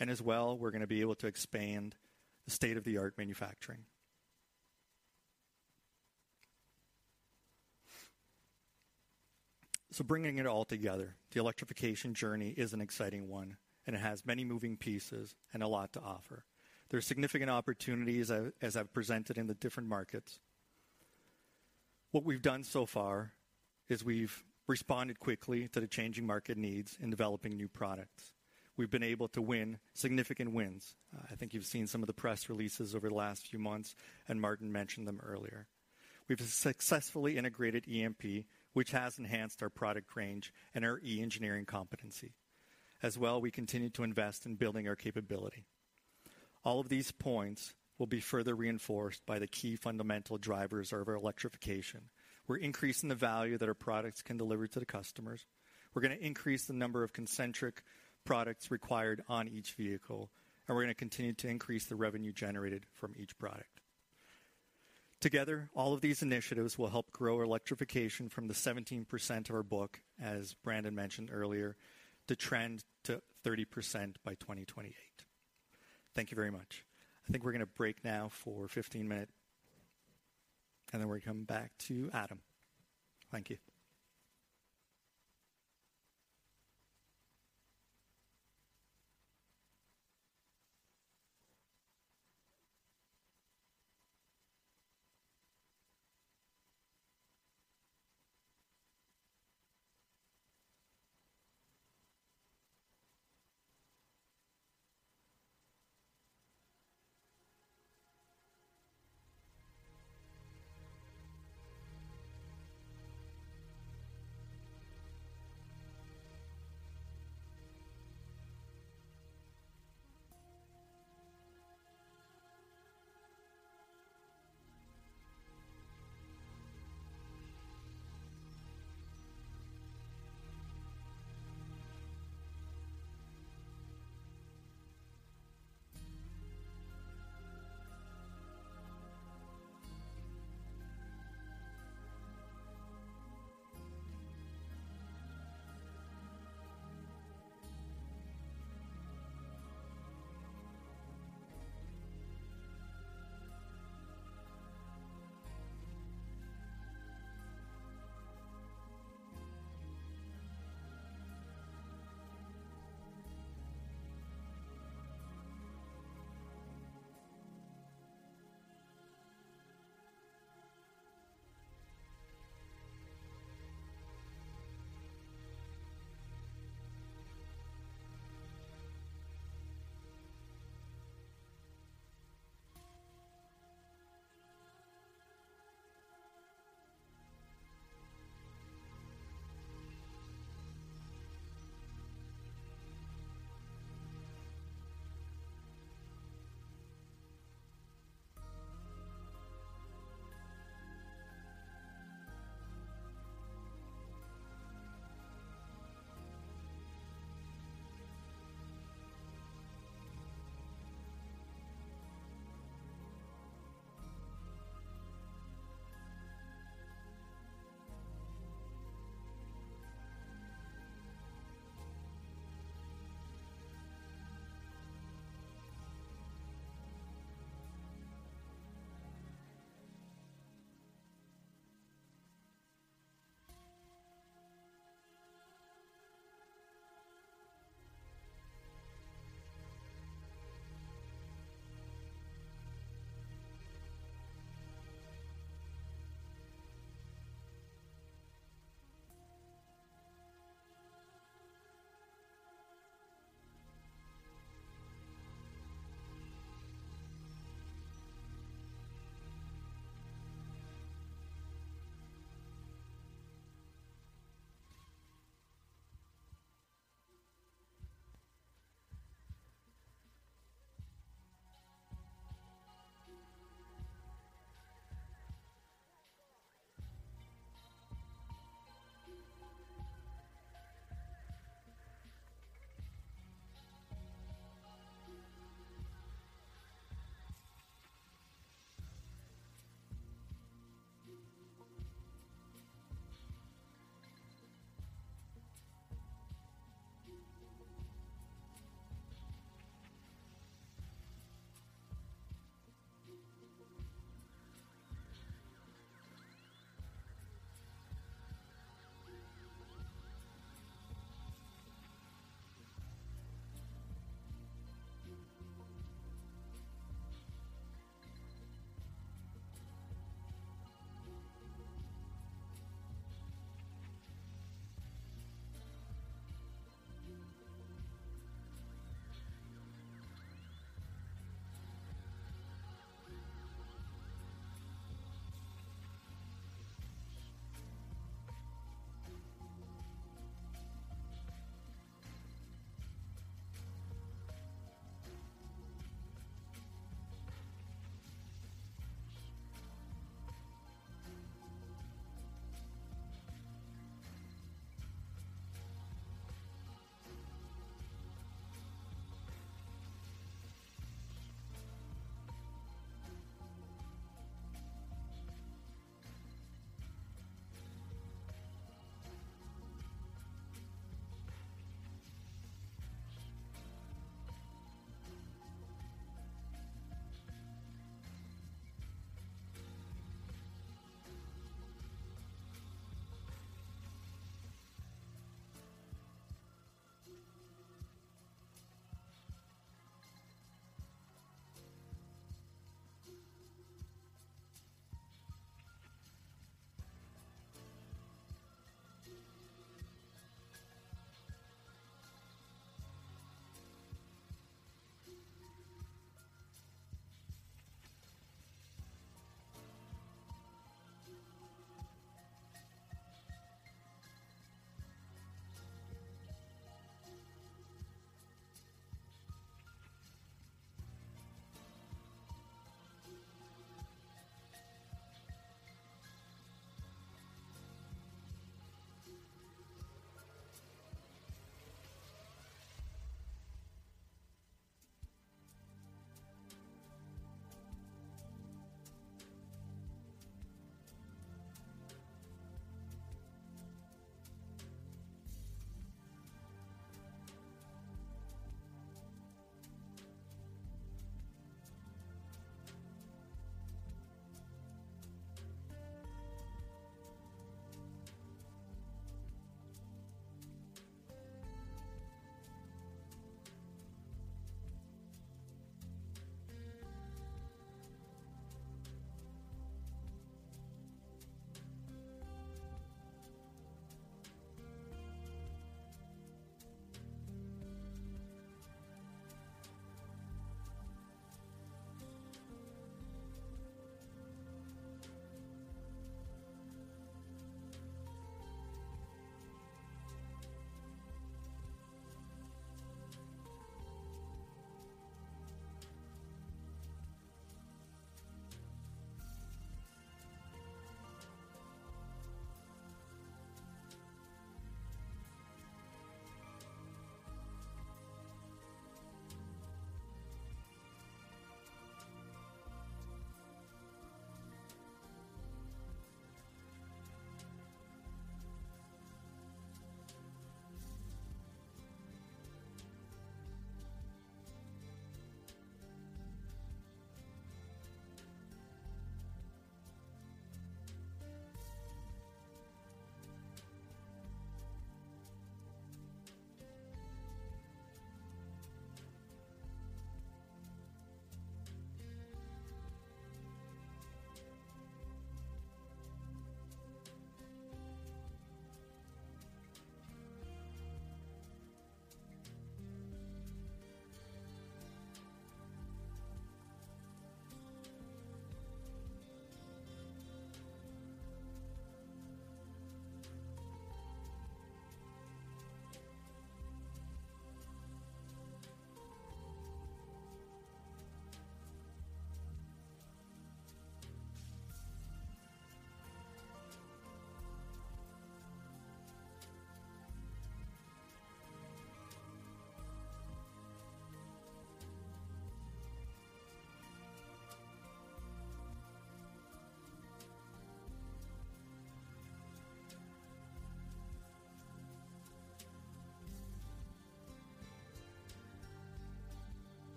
As well, we're gonna be able to expand the state-of-the-art manufacturing. Bringing it all together, the Electrification journey is an exciting one, and it has many moving pieces and a lot to offer. There are significant opportunities as I've presented in the different markets. What we've done so far is we've responded quickly to the changing market needs in developing new products. We've been able to win significant wins. I think you've seen some of the press releases over the last few months, and Martin mentioned them earlier. We've successfully integrated EMP, which has enhanced our product range and our Engineering competency. As well, we continue to invest in building our capability. All of these points will be further reinforced by the key fundamental drivers of our Electrification. We're increasing the value that our products can deliver to the customers. We're gonna increase the number of Concentric products required on each vehicle, and we're gonna continue to increase the revenue generated from each product. Together, all of these initiatives will help grow Electrification from the 17% of our book, as Brandon mentioned earlier, to trend to 30% by 2028. Thank you very much. I think we're gonna break now for 15 minute. Then we come back to Adam. Thank you.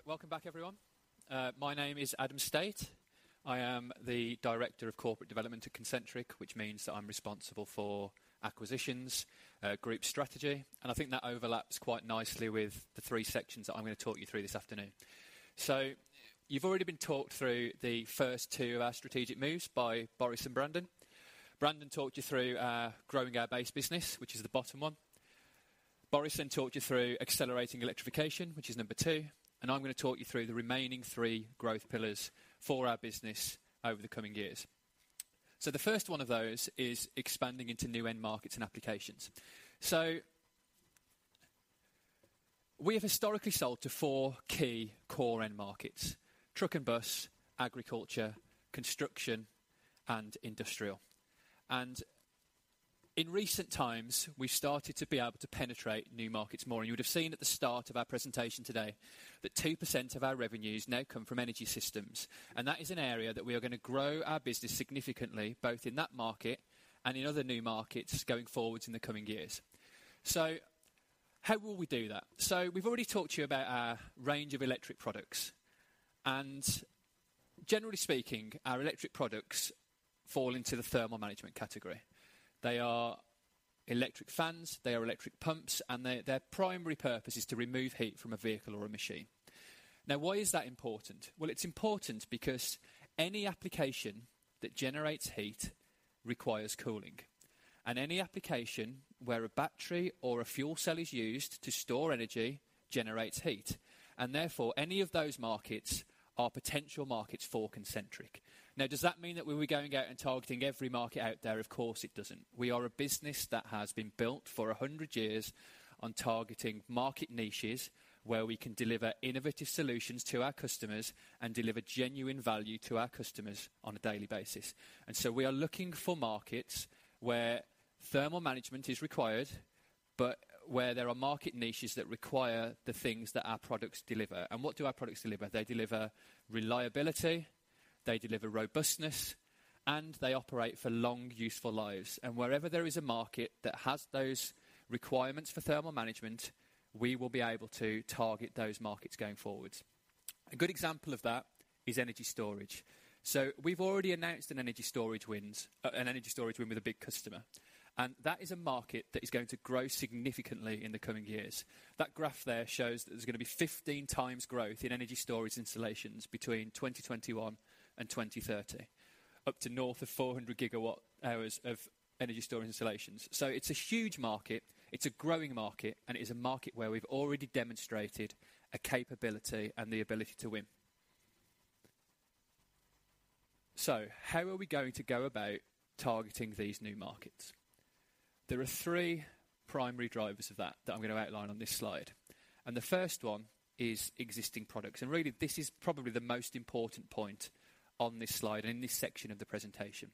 Right. Welcome back, everyone. My name is Adam Staite. I am the Director of Corporate Development at Concentric, which means that I'm responsible for acquisitions, group strategy, and I think that overlaps quite nicely with the three sections that I'm gonna talk you through this afternoon. You've already been talked through the first two of our strategic moves by Boris and Brandon. Brandon talked you through growing our base business, which is the bottom one. Boris talked you through accelerating Electrification, which is number two, and I'm gonna talk you through the remaining three growth pillars for our business over the coming years. The first one of those is expanding into new end markets and applications. We have historically sold to four key core end markets: truck and bus, agriculture, construction, and industrial. In recent times, we've started to be able to penetrate new markets more. You would have seen at the start of our presentation today that 2% of our revenues now come from Energy Systems, and that is an area that we are gonna grow our business significantly, both in that market and in other new markets going forward in the coming years. How will we do that? We've already talked to you about our range of electric products, and generally speaking, our electric products fall into the thermal management category. They are electric fans, they are electric pumps, and their primary purpose is to remove heat from a vehicle or a machine. Why is that important? It's important because any application that generates heat requires cooling. Any application where a battery or a Fuel Cell is used to store energy generates heat, therefore any of those markets are potential markets for Concentric. Now, does that mean that we'll be going out and targeting every market out there? Of course it doesn't. We are a business that has been built for 100 years on targeting market niches where we can deliver innovative solutions to our customers and deliver genuine value to our customers on a daily basis. We are looking for markets where thermal management is required, but where there are market niches that require the things that our products deliver. What do our products deliver? They deliver reliability, they deliver robustness, and they operate for long useful lives. Wherever there is a market that has those requirements for thermal management, we will be able to target those markets going forward. A good example of that is energy storage. We've already announced an energy storage win with a big customer, and that is a market that is going to grow significantly in the coming years. That graph there shows that there's going to be 15x growth in energy storage installations between 2021 and 2030, up to north of 400 GWh of energy storage installations. It's a huge market, it's a growing market, and it is a market where we've already demonstrated a capability and the ability to win. How are we going to go about targeting these new markets? There are three primary drivers of that that I'm gonna outline on this slide. The first one is existing products. Really this is probably the most important point on this slide and in this section of the presentation.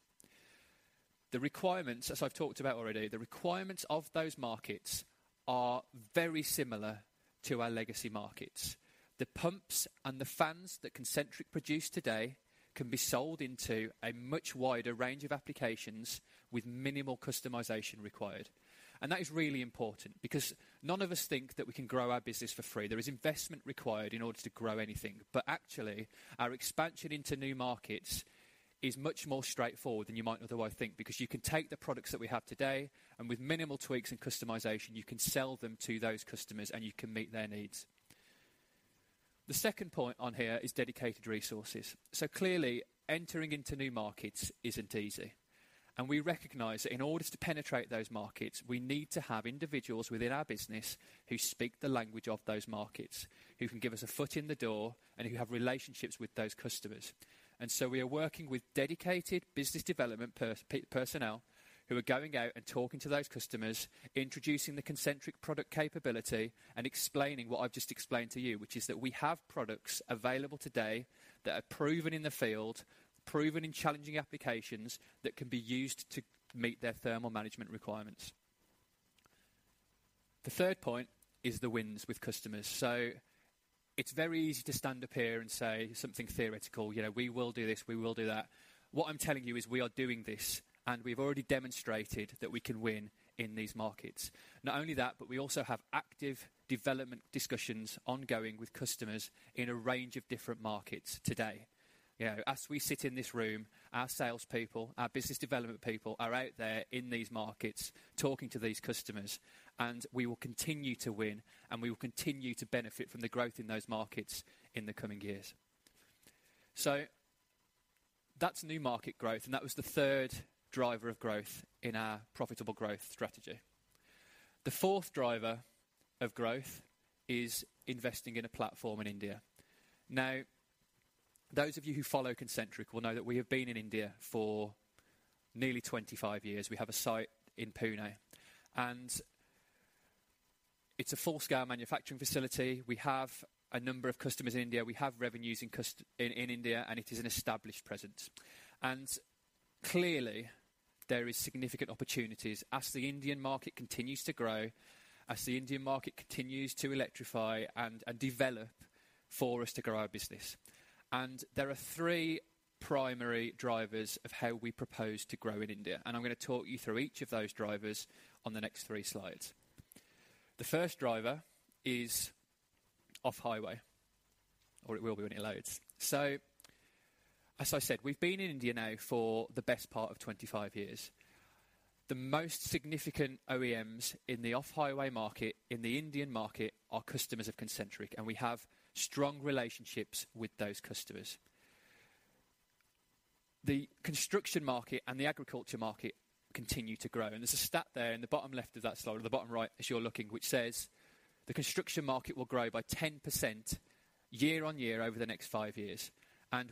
The requirements, as I've talked about already, the requirements of those markets are very similar to our legacy markets. The pumps and the fans that Concentric produce today can be sold into a much wider range of applications with minimal customization required. That is really important because none of us think that we can grow our business for free. There is investment required in order to grow anything. Actually, our expansion into new markets is much more straightforward than you might otherwise think, because you can take the products that we have today and with minimal tweaks and customization, you can sell them to those customers and you can meet their needs. The second point on here is dedicated resources. Clearly, entering into new markets isn't easy, and we recognize that in order to penetrate those markets, we need to have individuals within our business who speak the language of those markets, who can give us a foot in the door and who have relationships with those customers. We are working with dedicated business development personnel who are going out and talking to those customers, introducing the Concentric product capability and explaining what I've just explained to you, which is that we have products available today that are proven in the field, proven in challenging applications that can be used to meet their thermal management requirements. The third point is the wins with customers. It's very easy to stand up here and say something theoretical. You know, we will do this, we will do that. What I'm telling you is we are doing this, and we've already demonstrated that we can win in these markets. Not only that, we also have active development discussions ongoing with customers in a range of different markets today. You know, as we sit in this room, our salespeople, our business development people are out there in these markets talking to these customers, and we will continue to win, and we will continue to benefit from the growth in those markets in the coming years. That's new market growth, and that was the third driver of growth in our profitable growth strategy. The fourth driver of growth is investing in a platform in India. Those of you who follow Concentric will know that we have been in India for nearly 25 years. We have a site in Pune, and it's a full-scale manufacturing facility. We have a number of customers in India. We have revenues in India, and it is an established presence. Clearly, there is significant opportunities as the Indian market continues to grow, as the Indian market continues to electrify and develop for us to grow our business. There are three primary drivers of how we propose to grow in India, and I'm gonna talk you through each of those drivers on the next three slides. The first driver is off-highway, or it will be when it loads. As I said, we've been in India now for the best part of 25 years. The most significant OEMs in the off-highway market, in the Indian market are customers of Concentric, and we have strong relationships with those customers. The construction market and the agriculture market continue to grow. There's a stat there in the bottom left of that slide or the bottom right as you're looking, which says, "The construction market will grow by 10% year on year over the next 5 years."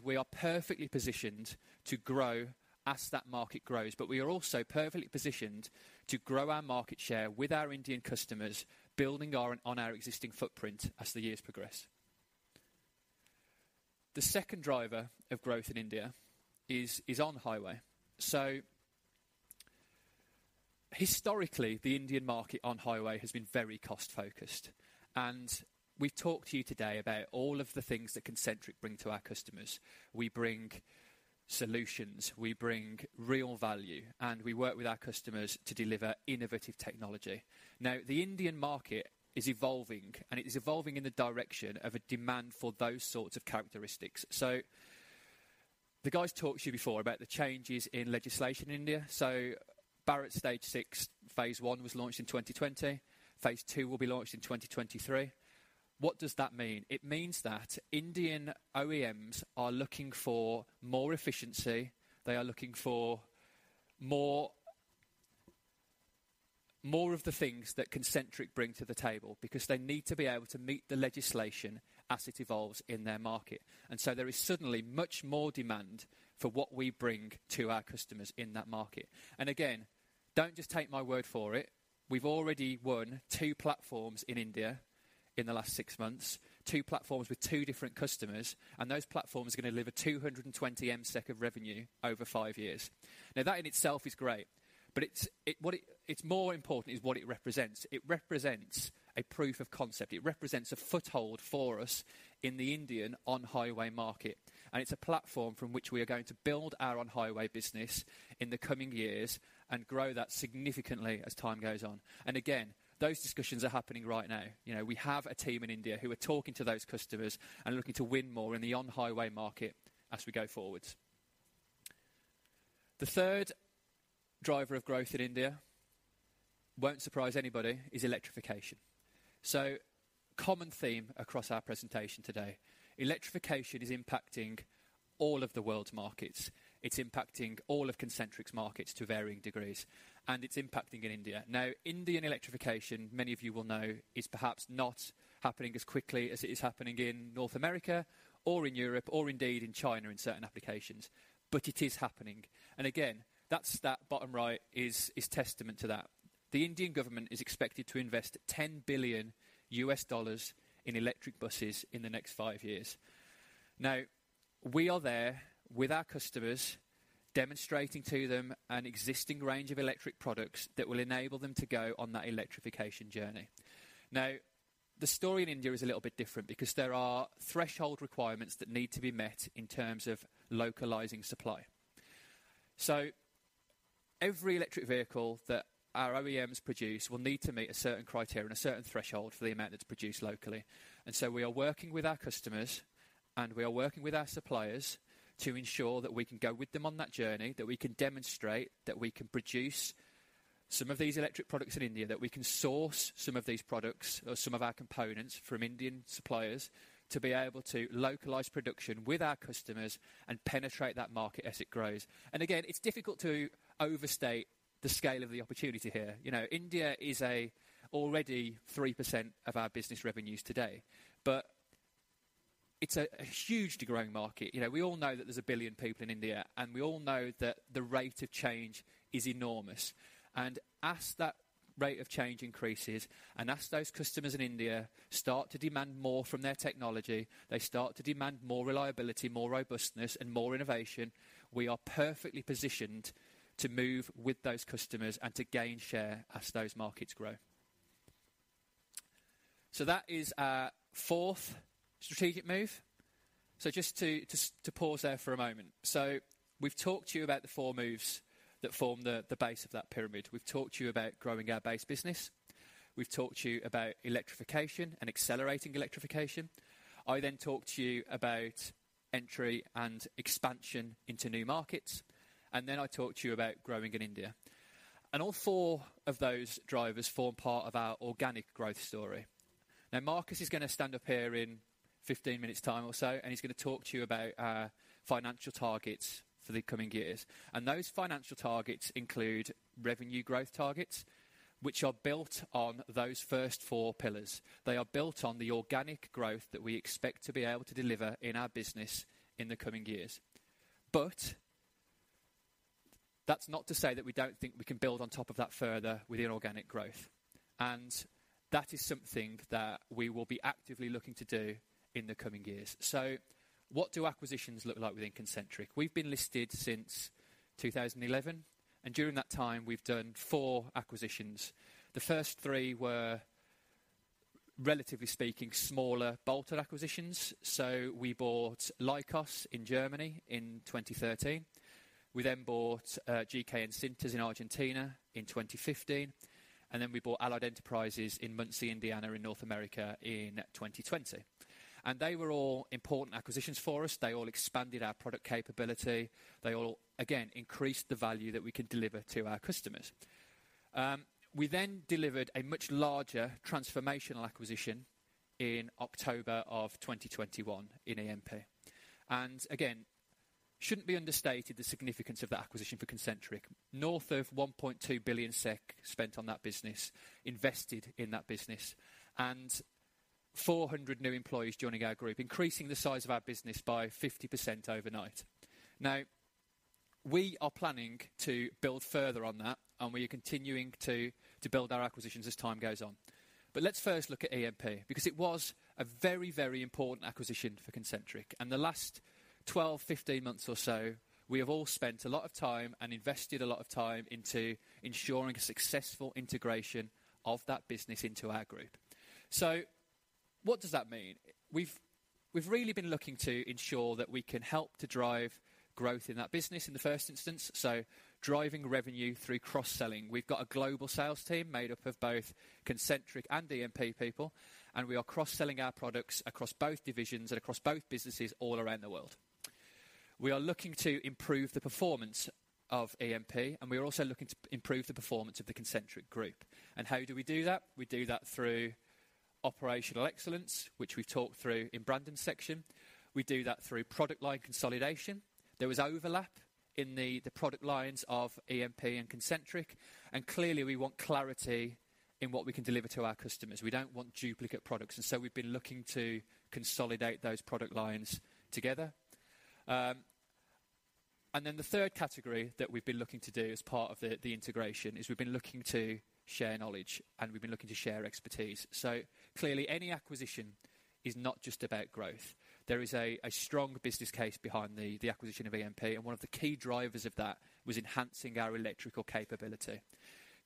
We are perfectly positioned to grow as that market grows. We are also perfectly positioned to grow our market share with our Indian customers, building on our existing footprint as the years progress. The second driver of growth in India is on-highway. Historically, the Indian market on-highway has been very cost-focused. We talked to you today about all of the things that Concentric bring to our customers. We bring solutions, we bring real value, and we work with our customers to deliver innovative technology. The Indian market is evolving, and it is evolving in the direction of a demand for those sorts of characteristics. The guys talked to you before about the changes in legislation in India. Bharat Stage VI, Phase One was launched in 2020. Phase Two will be launched in 2023. What does that mean? It means that Indian OEMs are looking for more efficiency. They are looking for more of the things that Concentric bring to the table because they need to be able to meet the legislation as it evolves in their market. There is suddenly much more demand for what we bring to our customers in that market. Again, don't just take my word for it. We've already won two platforms in India in the last six months, two platforms with two different customers, those platforms are gonna deliver 220 MSEK of revenue over 5 years. That in itself is great, but what it's more important is what it represents. It represents a proof of concept. It represents a foothold for us in the Indian on-highway market, and it's a platform from which we are going to build our on-highway business in the coming years and grow that significantly as time goes on. Again, those discussions are happening right now. You know, we have a team in India who are talking to those customers and looking to win more in the on-highway market as we go forward. The third driver of growth in India, won't surprise anybody, is Electrification. Common theme across our presentation today. Electrification is impacting all of the world's markets. It's impacting all of Concentric's markets to varying degrees, and it's impacting in India. Indian Electrification, many of you will know, is perhaps not happening as quickly as it is happening in North America or in Europe or indeed in China in certain applications, but it is happening. Again, that's that bottom right is testament to that. The Indian government is expected to invest $10 billion in electric buses in the next five years. We are there with our customers, demonstrating to them an existing range of electric products that will enable them to go on that Electrification journey. The story in India is a little bit different because there are threshold requirements that need to be met in terms of localizing supply. Every electric vehicle that our OEMs produce will need to meet a certain criteria and a certain threshold for the amount that's produced locally. We are working with our customers, and we are working with our suppliers to ensure that we can go with them on that journey, that we can demonstrate that we can produce some of these electric products in India, that we can source some of these products or some of our components from Indian suppliers to be able to localize production with our customers and penetrate that market as it grows. Again, it's difficult to overstate the scale of the opportunity here. You know, India is already 3% of our business revenues today, but it's a huge growing market. You know, we all know that there's 1 billion people in India, and we all know that the rate of change is enormous. As that rate of change increases and as those customers in India start to demand more from their technology, they start to demand more reliability, more robustness, and more innovation, we are perfectly positioned to move with those customers and to gain share as those markets grow. That is our fourth strategic move. Just to pause there for a moment. We've talked to you about the four moves that form the base of that pyramid. We've talked to you about growing our base business. We've talked to you about Electrification and accelerating Electrification. I then talked to you about entry and expansion into new markets. Then I talked to you about growing in India. All four of those drivers form part of our organic growth story. Marcus is gonna stand up here in 15 minutes time or so, and he's gonna talk to you about our financial targets for the coming years. Those financial targets include revenue growth targets, which are built on those first four pillars. They are built on the organic growth that we expect to be able to deliver in our business in the coming years. That's not to say that we don't think we can build on top of that further with inorganic growth. That is something that we will be actively looking to do in the coming years. What do acquisitions look like within Concentric? We've been listed since 2011, and during that time, we've done four acquisitions. The first three were, relatively speaking, smaller bolted acquisitions. We bought Licos in Germany in 2013. We then bought GKN Sinter Metals in Argentina in 2015, and then we bought Allied Enterprises in Muncie, Indiana, in North America in 2020. They were all important acquisitions for us. They all expanded our product capability. They all, again, increased the value that we can deliver to our customers. We then delivered a much larger transformational acquisition in October of 2021 in EMP. Again, shouldn't be understated the significance of that acquisition for Concentric. North of 1.2 billion SEK spent on that business, invested in that business, and 400 new employees joining our group, increasing the size of our business by 50% overnight. We are planning to build further on that, and we are continuing to build our acquisitions as time goes on. Let's first look at EMP because it was a very, very important acquisition for Concentric, and the last 12, 15 months or so, we have all spent a lot of time and invested a lot of time into ensuring a successful integration of that business into our group. What does that mean? We've, we've really been looking to ensure that we can help to drive growth in that business in the first instance, so driving revenue through cross-selling. We've got a global sales team made up of both Concentric and EMP people, and we are cross-selling our products across both divisions and across both businesses all around the world. We are looking to improve the performance of EMP, and we are also looking to improve the performance of the Concentric group. How do we do that? We do that through operational excellence, which we've talked through in Brandon's section. We do that through product line consolidation. There was overlap in the product lines of EMP and Concentric. Clearly, we want clarity in what we can deliver to our customers. We don't want duplicate products. So we've been looking to consolidate those product lines together. The third category that we've been looking to do as part of the integration is we've been looking to share knowledge. We've been looking to share expertise. Clearly, any acquisition is not just about growth. There is a strong business case behind the acquisition of EMP. One of the key drivers of that was enhancing our electrical capability.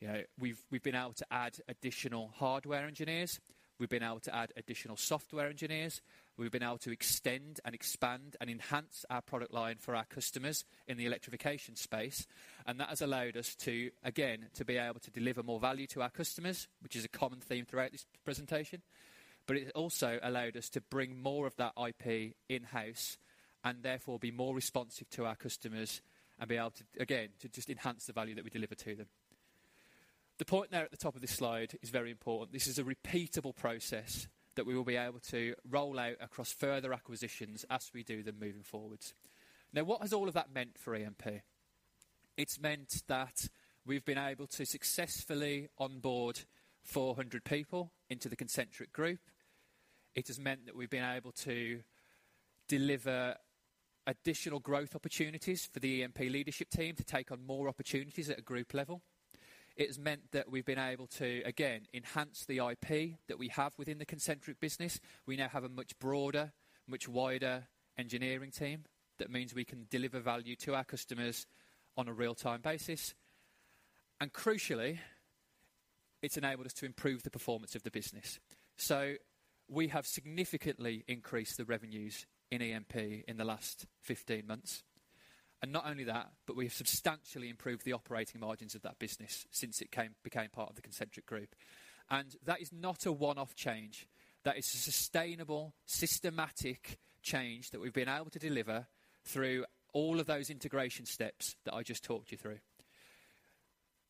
You know, we've been able to add additional hardware engineers, we've been able to add additional software engineers. We've been able to extend and expand and enhance our product line for our customers in the Electrification space, and that has allowed us to, again, to be able to deliver more value to our customers, which is a common theme throughout this presentation. It also allowed us to bring more of that IP in-house and therefore be more responsive to our customers and be able to, again, to just enhance the value that we deliver to them. The point there at the top of this slide is very important. This is a repeatable process that we will be able to roll out across further acquisitions as we do them moving forwards. What has all of that meant for EMP? It's meant that we've been able to successfully onboard 400 people into the Concentric group. It has meant that we've been able to deliver additional growth opportunities for the EMP leadership team to take on more opportunities at a group level. It has meant that we've been able to, again, enhance the IP that we have within the Concentric business. We now have a much broader, much wider engineering team. That means we can deliver value to our customers on a real-time basis. Crucially, it's enabled us to improve the performance of the business. We have significantly increased the revenues in EMP in the last 15 months. Not only that, but we have substantially improved the operating margins of that business since it became part of the Concentric group. That is not a one-off change. That is a sustainable, systematic change that we've been able to deliver through all of those integration steps that I just talked you through.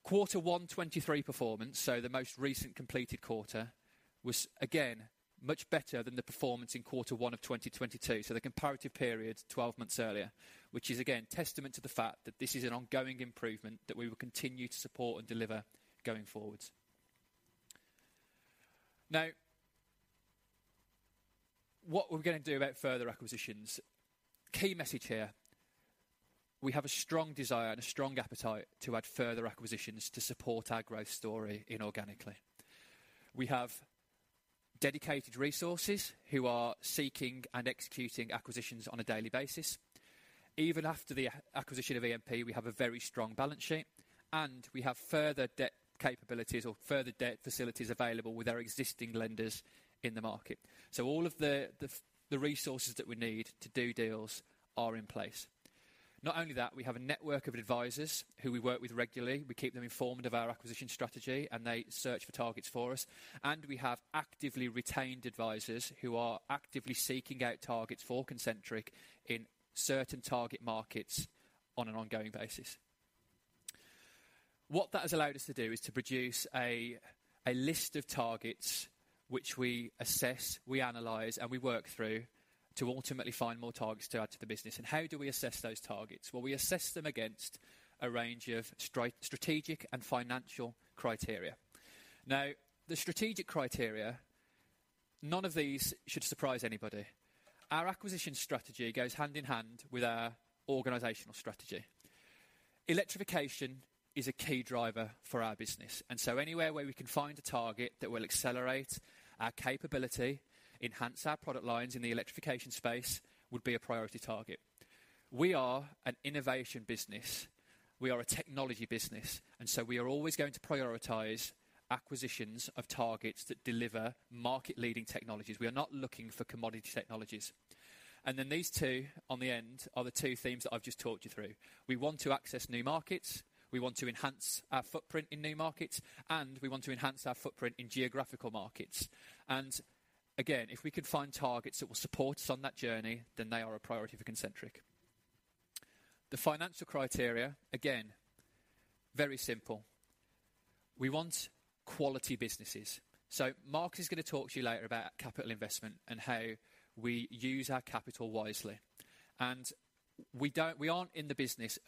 Quarter 1 2023 performance, so the most recent completed quarter, was again, much better than the performance in Quarter 1 2022, so the comparative period 12 months earlier, which is again, testament to the fact that this is an ongoing improvement that we will continue to support and deliver going forward. What we're gonna do about further acquisitions? Key message here, we have a strong desire and a strong appetite to add further acquisitions to support our growth story inorganically. We have dedicated resources who are seeking and executing acquisitions on a daily basis. Even after the acquisition of EMP, we have a very strong balance sheet, and we have further debt capabilities or further debt facilities available with our existing lenders in the market. All of the resources that we need to do deals are in place. Not only that, we have a network of advisors who we work with regularly. We keep them informed of our acquisition strategy, and they search for targets for us. We have actively retained advisors who are actively seeking out targets for Concentric in certain target markets on an ongoing basis. What that has allowed us to do is to produce a list of targets which we assess, we analyze, and we work through to ultimately find more targets to add to the business. How do we assess those targets? Well, we assess them against a range of strategic and financial criteria. The strategic criteria, none of these should surprise anybody. Our acquisition strategy goes hand in hand with our organizational strategy. Electrification is a key driver for our business. Anywhere where we can find a target that will accelerate our capability, enhance our product lines in the Electrification space would be a priority target. We are an innovation business. We are a technology business. We are always going to prioritize acquisitions of targets that deliver market-leading technologies. We are not looking for commodity technologies. These two on the end are the two themes that I've just talked you through. We want to access new markets, we want to enhance our footprint in new markets, and we want to enhance our footprint in geographical markets. If we can find targets that will support us on that journey, then they are a priority for Concentric. The financial criteria, again, very simple. We want quality businesses. Marcus is going to talk to you later about capital investment and how we use our capital wisely. We aren't in the business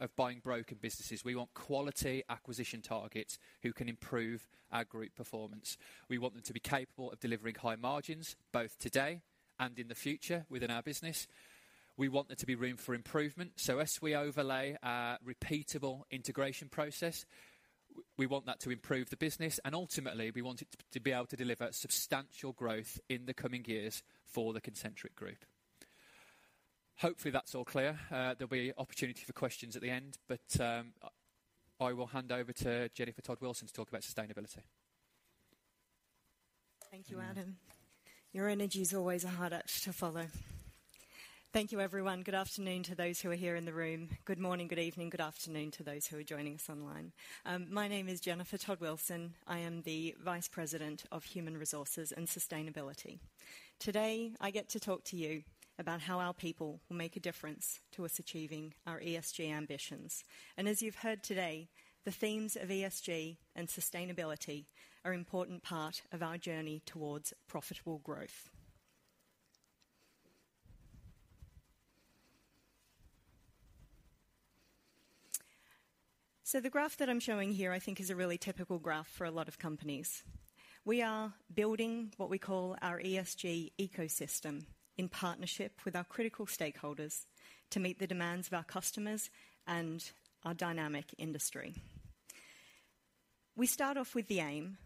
of buying broken businesses. We want quality acquisition targets who can improve our group performance. We want them to be capable of delivering high margins both today and in the future within our business. We want there to be room for improvement. As we overlay our repeatable integration process, we want that to improve the business, and ultimately, we want it to be able to deliver substantial growth in the coming years for the Concentric Group. Hopefully, that's all clear. There'll be opportunity for questions at the end, but I will hand over to Jennifer Todd-Wilson to talk about sustainability. Thank you, Adam. Your energy is always a hard act to follow. Thank you, everyone. Good afternoon to those who are here in the room. Good morning, good evening, good afternoon to those who are joining us online. My name is Jennifer Todd-Wilson. I am the Vice President of Human Resources and Sustainability. Today, I get to talk to you about how our people will make a difference to us achieving our ESG ambitions. As you've heard today, the themes of ESG and sustainability are important part of our journey towards profitable growth. The graph that I'm showing here, I think, is a really typical graph for a lot of companies. We are building what we call our ESG ecosystem in partnership with our critical stakeholders to meet the demands of our customers and our dynamic industry. We start off with the aim,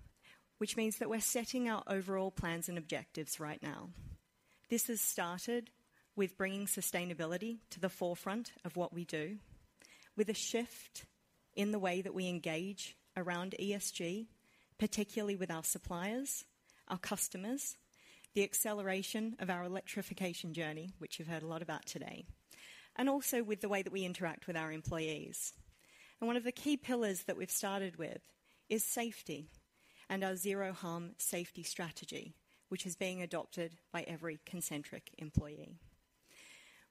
which means that we're setting our overall plans and objectives right now. This has started with bringing sustainability to the forefront of what we do with a shift in the way that we engage around ESG, particularly with our suppliers, our customers, the acceleration of our Electrification journey, which you've heard a lot about today, and also with the way that we interact with our employees. One of the key pillars that we've started with is safety and our zero harm safety strategy, which is being adopted by every Concentric employee.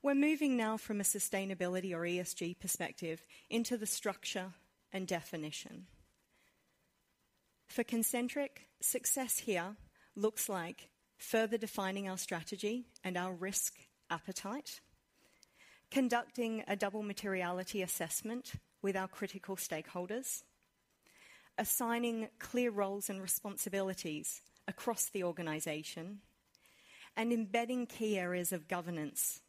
We're moving now from a sustainability or ESG perspective into the structure and definition. For Concentric, success here looks like further defining our strategy and our risk appetite, conducting a double materiality assessment with our critical stakeholders, assigning clear roles and responsibilities across the organization, and embedding key areas of governance.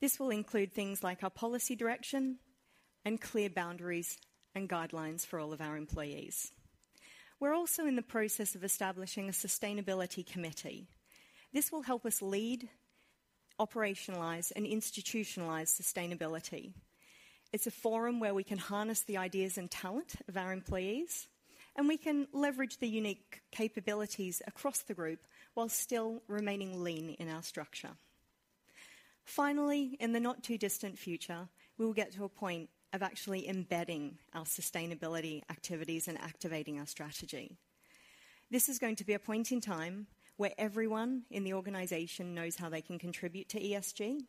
This will include things like our policy direction and clear boundaries and guidelines for all of our employees. We're also in the process of establishing a sustainability committee. This will help us lead, operationalize, and institutionalize sustainability. It's a forum where we can harness the ideas and talent of our employees, and we can leverage the unique capabilities across the group while still remaining lean in our structure. Finally, in the not-too-distant future, we will get to a point of actually embedding our sustainability activities and activating our strategy. This is going to be a point in time where everyone in the organization knows how they can contribute to ESG,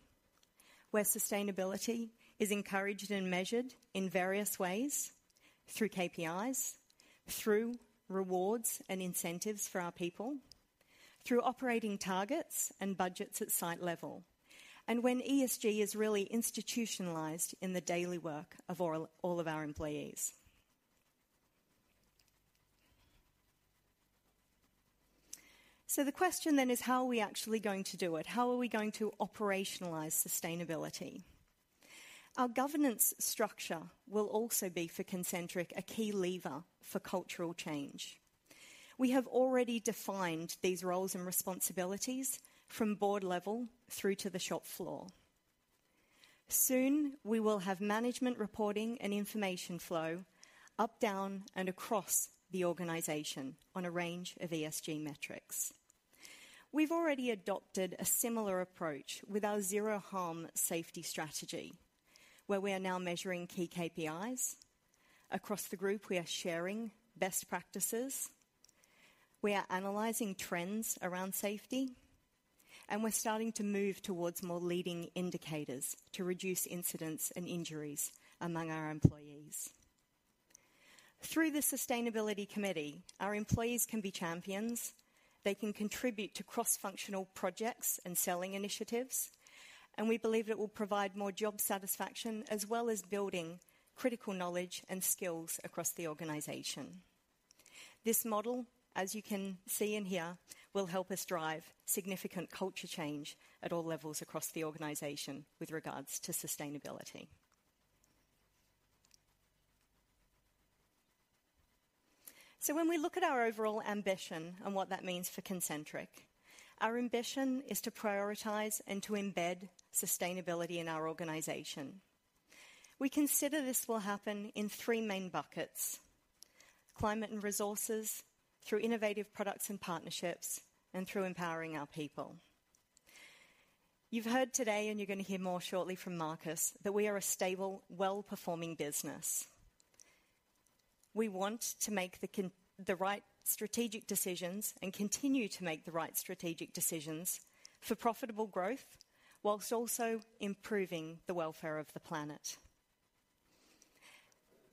where sustainability is encouraged and measured in various ways through KPIs, through rewards and incentives for our people, through operating targets and budgets at site level, and when ESG is really institutionalized in the daily work of all of our employees. The question then is: how are we actually going to do it? How are we going to operationalize sustainability? Our governance structure will also be, for Concentric, a key lever for cultural change. We have already defined these roles and responsibilities from board level through to the shop floor. Soon, we will have management reporting and information flow up, down, and across the organization on a range of ESG metrics. We've already adopted a similar approach with our zero harm safety strategy, where we are now measuring key KPIs. Across the group, we are sharing best practices, we are analyzing trends around safety, and we're starting to move towards more leading indicators to reduce incidents and injuries among our employees. Through the sustainability committee, our employees can be champions, they can contribute to cross-functional projects and selling initiatives, and we believe it will provide more job satisfaction, as well as building critical knowledge and skills across the organization. This model, as you can see in here, will help us drive significant culture change at all levels across the organization with regards to sustainability. When we look at our overall ambition and what that means for Concentric, our ambition is to prioritize and to embed sustainability in our organization. We consider this will happen in three main buckets: climate and resources, through innovative products and partnerships, and through empowering our people. You've heard today, and you're going to hear more shortly from Marcus, that we are a stable, well-performing business. We want to make the right strategic decisions and continue to make the right strategic decisions for profitable growth while also improving the welfare of the planet.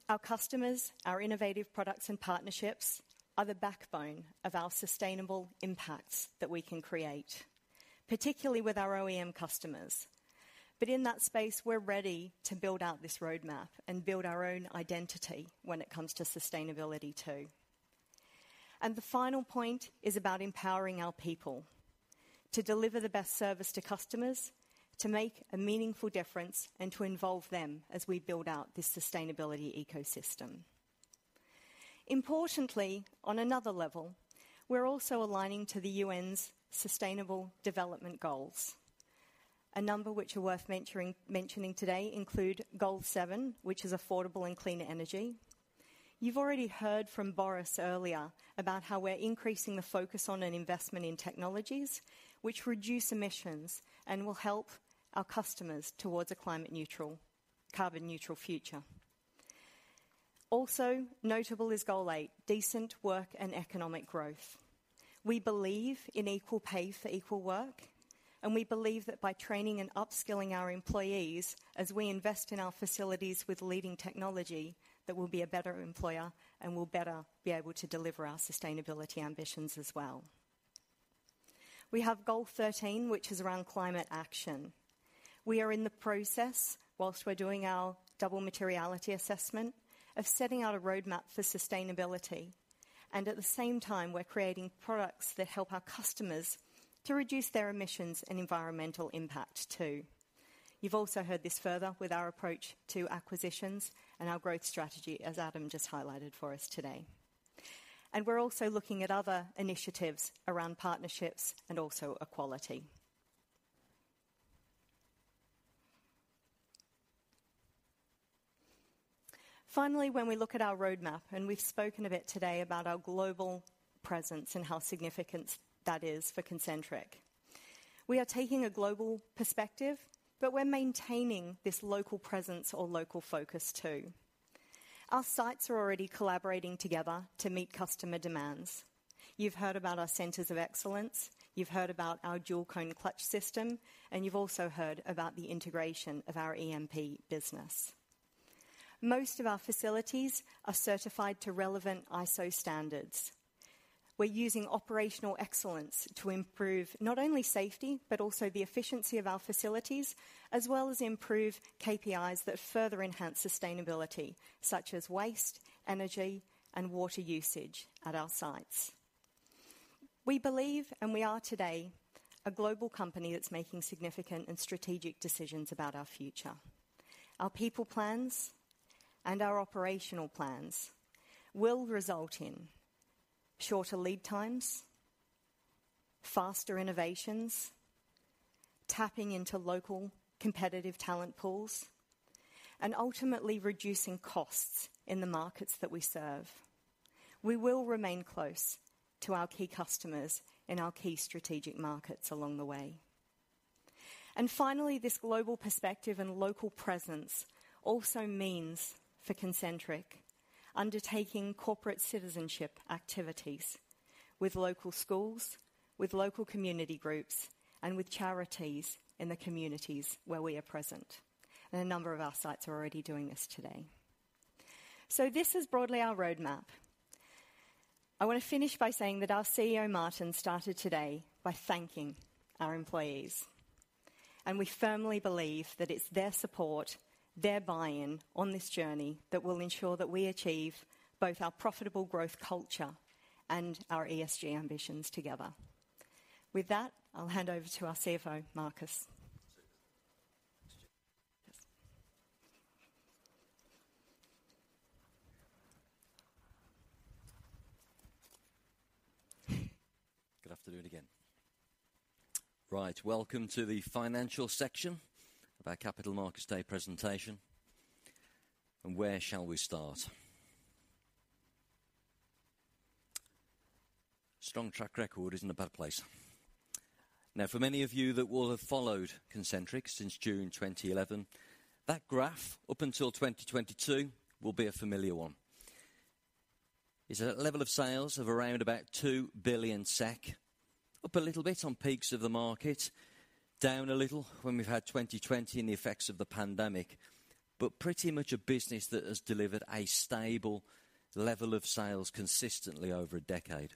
Our customers, our innovative products and partnerships are the backbone of our sustainable impacts that we can create, particularly with our OEM customers. In that space, we're ready to build out this roadmap and build our own identity when it comes to sustainability too. The final point is about empowering our people to deliver the best service to customers, to make a meaningful difference, and to involve them as we build out this sustainability ecosystem. Importantly, on another level, we're also aligning to the UN's Sustainable Development Goals. A number which are worth mentioning today include Goal seven, which is affordable and cleaner energy. You've already heard from Boris earlier about how we're increasing the focus on an investment in technologies which reduce Emissions and will help our customers towards a climate neutral, carbon neutral future. Also notable is Goal eight, decent work and economic growth. We believe in equal pay for equal work, and we believe that by training and upskilling our employees as we invest in our facilities with leading technology, that we'll be a better employer and we'll better be able to deliver our sustainability ambitions as well. We have Goal 13, which is around climate action. We are in the process, whilst we're doing our double materiality assessment, of setting out a roadmap for sustainability, and at the same time, we're creating products that help our customers to reduce their Emissions and environmental impact too. You've also heard this further with our approach to acquisitions and our growth strategy, as Adam just highlighted for us today. We're also looking at other initiatives around partnerships and also equality. Finally, when we look at our roadmap, and we've spoken a bit today about our global presence and how significant that is for Concentric, we are taking a global perspective, but we're maintaining this local presence or local focus too. Our sites are already collaborating together to meet customer demands. You've heard about our centers of excellence, you've heard about our Dual Cone Clutch system, and you've also heard about the integration of our EMP business. Most of our facilities are certified to relevant ISO standards. We're using operational excellence to improve not only safety, but also the efficiency of our facilities, as well as improve KPIs that further enhance sustainability, such as waste, energy, and water usage at our sites. We believe, and we are today, a global company that's making significant and strategic decisions about our future. Our people plans and our operational plans will result in shorter lead times, faster innovations, tapping into local competitive talent pools, and ultimately reducing costs in the markets that we serve. We will remain close to our key customers in our key strategic markets along the way. Finally, this global perspective and local presence also means for Concentric undertaking corporate citizenship activities with local schools, with local community groups, and with charities in the communities where we are present, and a number of our sites are already doing this today. This is broadly our roadmap. I want to finish by saying that our CEO, Martin, started today by thanking our employees, we firmly believe that it's their support, their buy-in on this journey that will ensure that we achieve both our profitable growth culture and our ESG ambitions together. With that, I'll hand over to our CFO, Marcus. Good afternoon again. Right. Welcome to the financial section of our Capital Markets Day presentation. Where shall we start? Strong track record isn't a bad place. Now, for many of you that will have followed Concentric since June 2011, that graph up until 2022 will be a familiar one. It's a level of sales of around about 2 billion SEK, up a little bit on peaks of the market, down a little when we've had 2020 and the effects of the pandemic, but pretty much a business that has delivered a stable level of sales consistently over a decade.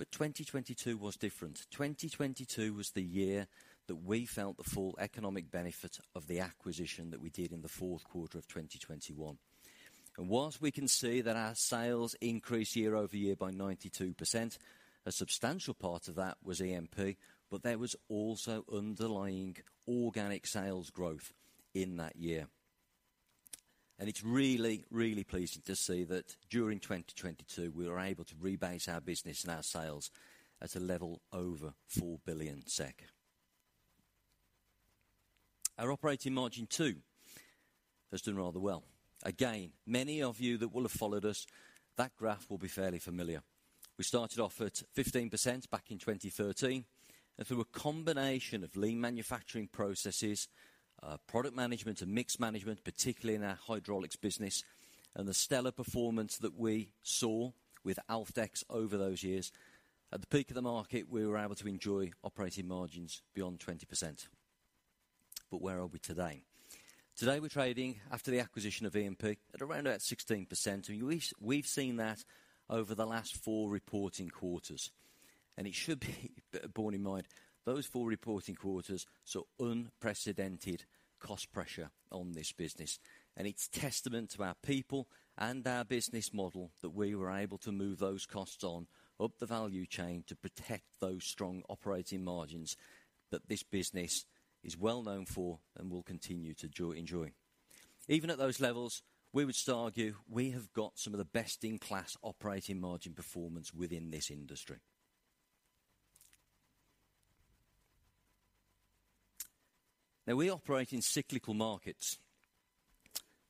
2022 was different. 2022 was the year that we felt the full economic benefit of the acquisition that we did in the fourth quarter of 2021. Whilst we can see that our sales increased year-over-year by 92%, a substantial part of that was EMP, but there was also underlying organic sales growth in that year. It's really, really pleasing to see that during 2022, we were able to rebase our business and our sales at a level over 4 billion SEK. Our operating margin too has done rather well. Again, many of you that will have followed us, that graph will be fairly familiar. We started off at 15% back in 2013. Through a combination of lean manufacturing processes, product management and mixed management, particularly in our hydraulics business, and the stellar performance that we saw with Alfdex over those years, at the peak of the market, we were able to enjoy operating margins beyond 20%. Where are we today? Today, we're trading after the acquisition of EMP at around about 16%, we've seen that over the last four reporting quarters. It should be borne in mind, those four reporting quarters saw unprecedented cost pressure on this business. It's testament to our people and our business model that we were able to move those costs on up the value chain to protect those strong operating margins that this business is well-known for and will continue to enjoy. Even at those levels, we would still argue we have got some of the best-in-class operating margin performance within this industry. We operate in cyclical markets.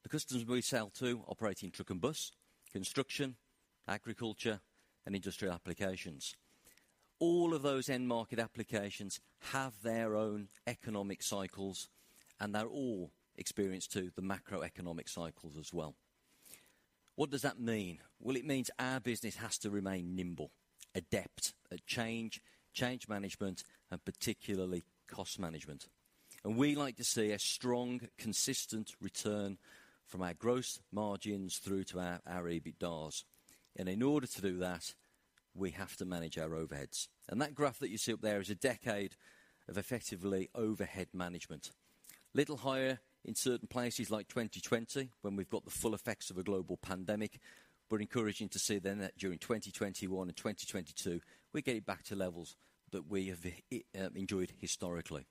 The customers we sell to operate in truck and bus, construction, agriculture, and industrial applications. All of those end market applications have their own economic cycles, they all experience too the Macroeconomic cycles as well. What does that mean? Well, it means our business has to remain nimble, adept at change management, and particularly cost management. We like to see a strong, consistent return from our gross margins through to our EBITDA. In order to do that, we have to manage our overheads. That graph that you see up there is a decade of effectively overhead management. Little higher in certain places like 2020 when we've got the full effects of a global pandemic. We're encouraging to see then that during 2021 and 2022, we're getting back to levels that we have enjoyed historically.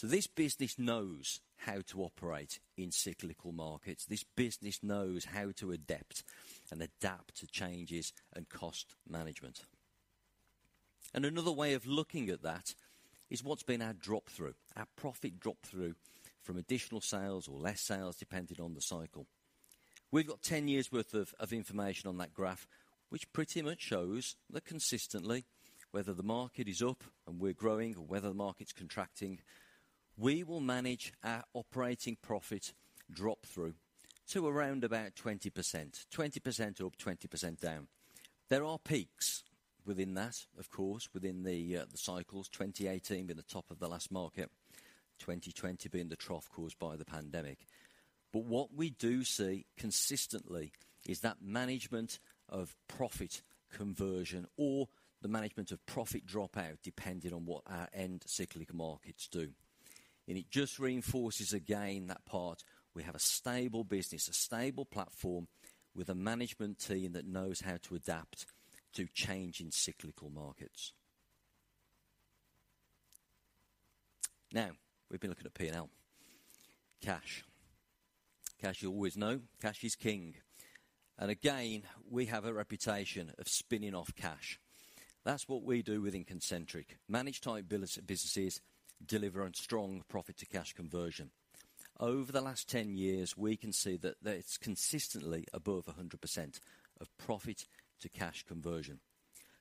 This business knows how to operate in cyclical markets. This business knows how to adept and adapt to changes and cost management. Another way of looking at that is what's been our drop-through, our profit drop-through from additional sales or less sales depending on the cycle. We've got 10 years worth of information on that graph, which pretty much shows that consistently, whether the market is up and we're growing or whether the market's contracting, we will manage our operating profit drop-through to around about 20%. 20% up, 20% down. There are peaks within that, of course, within the cycles. 2018 being the top of the last market, 2020 being the trough caused by the pandemic. What we do see consistently is that management of profit conversion or the management of profit drop out depending on what our end cyclic markets do. It just reinforces again that part. We have a stable business, a stable platform with a management team that knows how to adapt to change in cyclical markets. We've been looking at P&L. Cash. Cash you always know. Cash is king. Again, we have a reputation of spinning off cash. That's what we do within Concentric. Manage type businesses, delivering strong profit to cash conversion. Over the last 10 years, we can see that it's consistently above 100% of profit to cash conversion.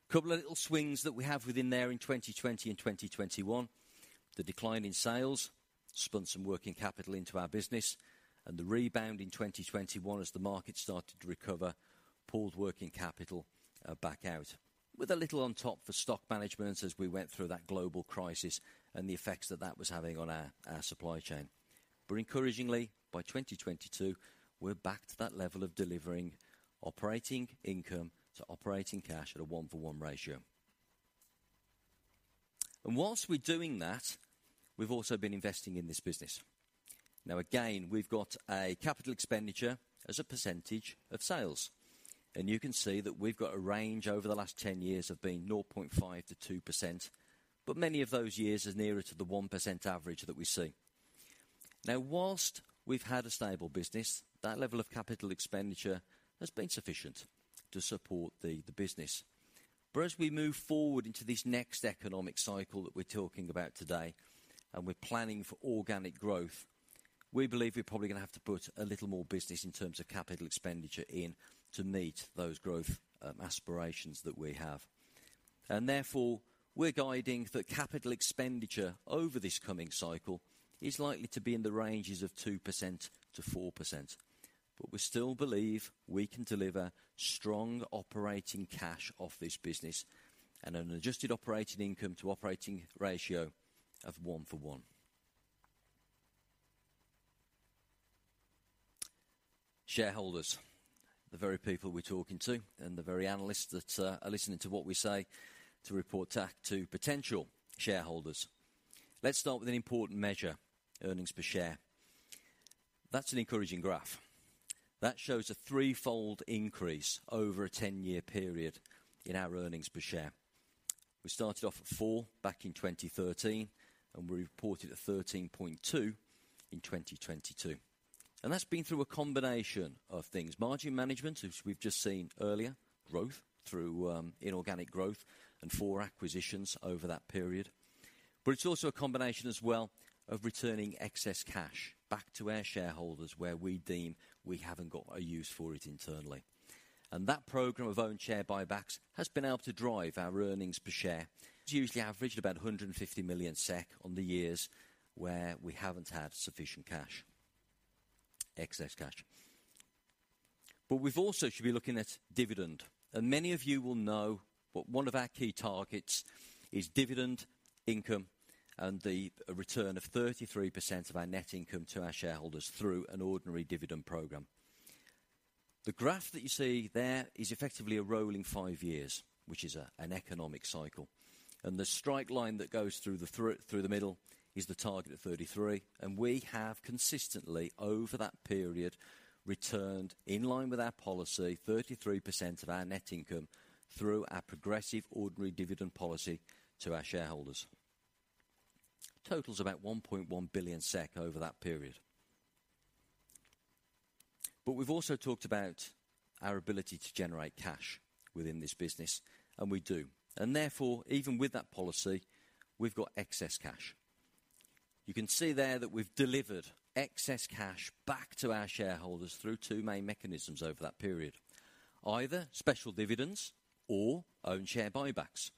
Couple of little swings that we have within there in 2020 and 2021. The decline in sales spun some working capital into our business. The rebound in 2021 as the market started to recover pulled working capital back out with a little on top for stock management as we went through that global crisis and the effects that that was having on our supply chain. Encouragingly, by 2022, we're back to that level of delivering operating income to operating cash at a one for one ratio. Whilst we're doing that, we've also been investing in this business. Again, we've got a capital expenditure as a percentage of sales, and you can see that we've got a range over the last 10 years of being 0.5-2%, many of those years is nearer to the 1% average that we see. Now whilst we've had a stable business, that level of capital expenditure has been sufficient to support the business. As we move forward into this next economic cycle that we're talking about today, and we're planning for organic growth, we believe we're probably gonna have to put a little more business in terms of capital expenditure in to meet those growth aspirations that we have. Therefore, we're guiding the capital expenditure over this coming cycle is likely to be in the ranges of 2-4%. We still believe we can deliver strong operating cash off this business and an adjusted operating income to operating ratio of one for one. Shareholders, the very people we're talking to and the very analysts that are listening to what we say to report to potential shareholders. Let's start with an important measure, earnings per share. That's an encouraging graph. That shows a threefold increase over a 10-year period in our earnings per share. We started off at four back in 2013, and we reported a 13.2 in 2022. That's been through a combination of things. Margin management, as we've just seen earlier, growth through inorganic growth and four acquisitions over that period. It's also a combination as well of returning excess cash back to our shareholders, where we deem we haven't got a use for it internally. That program of own share buybacks has been able to drive our earnings per share. It's usually averaged about 150 million SEK on the years where we haven't had sufficient cash, excess cash. We've also should be looking at dividend. Many of you will know, one of our key targets is dividend income and the return of 33% of our net income to our shareholders through an ordinary dividend program. The graph that you see there is effectively a rolling 5 years, which is an economic cycle. The strike line that goes through the middle is the target of 33. We have consistently, over that period, returned in line with our policy, 33% of our net income through our progressive ordinary dividend policy to our shareholders. Total is about 1.1 billion SEK over that period. We've also talked about our ability to generate cash within this business, and we do. Therefore, even with that policy, we've got excess cash. You can see there that we've delivered excess cash back to our shareholders through two main mechanisms over that period. Either special dividends or own share buybacks.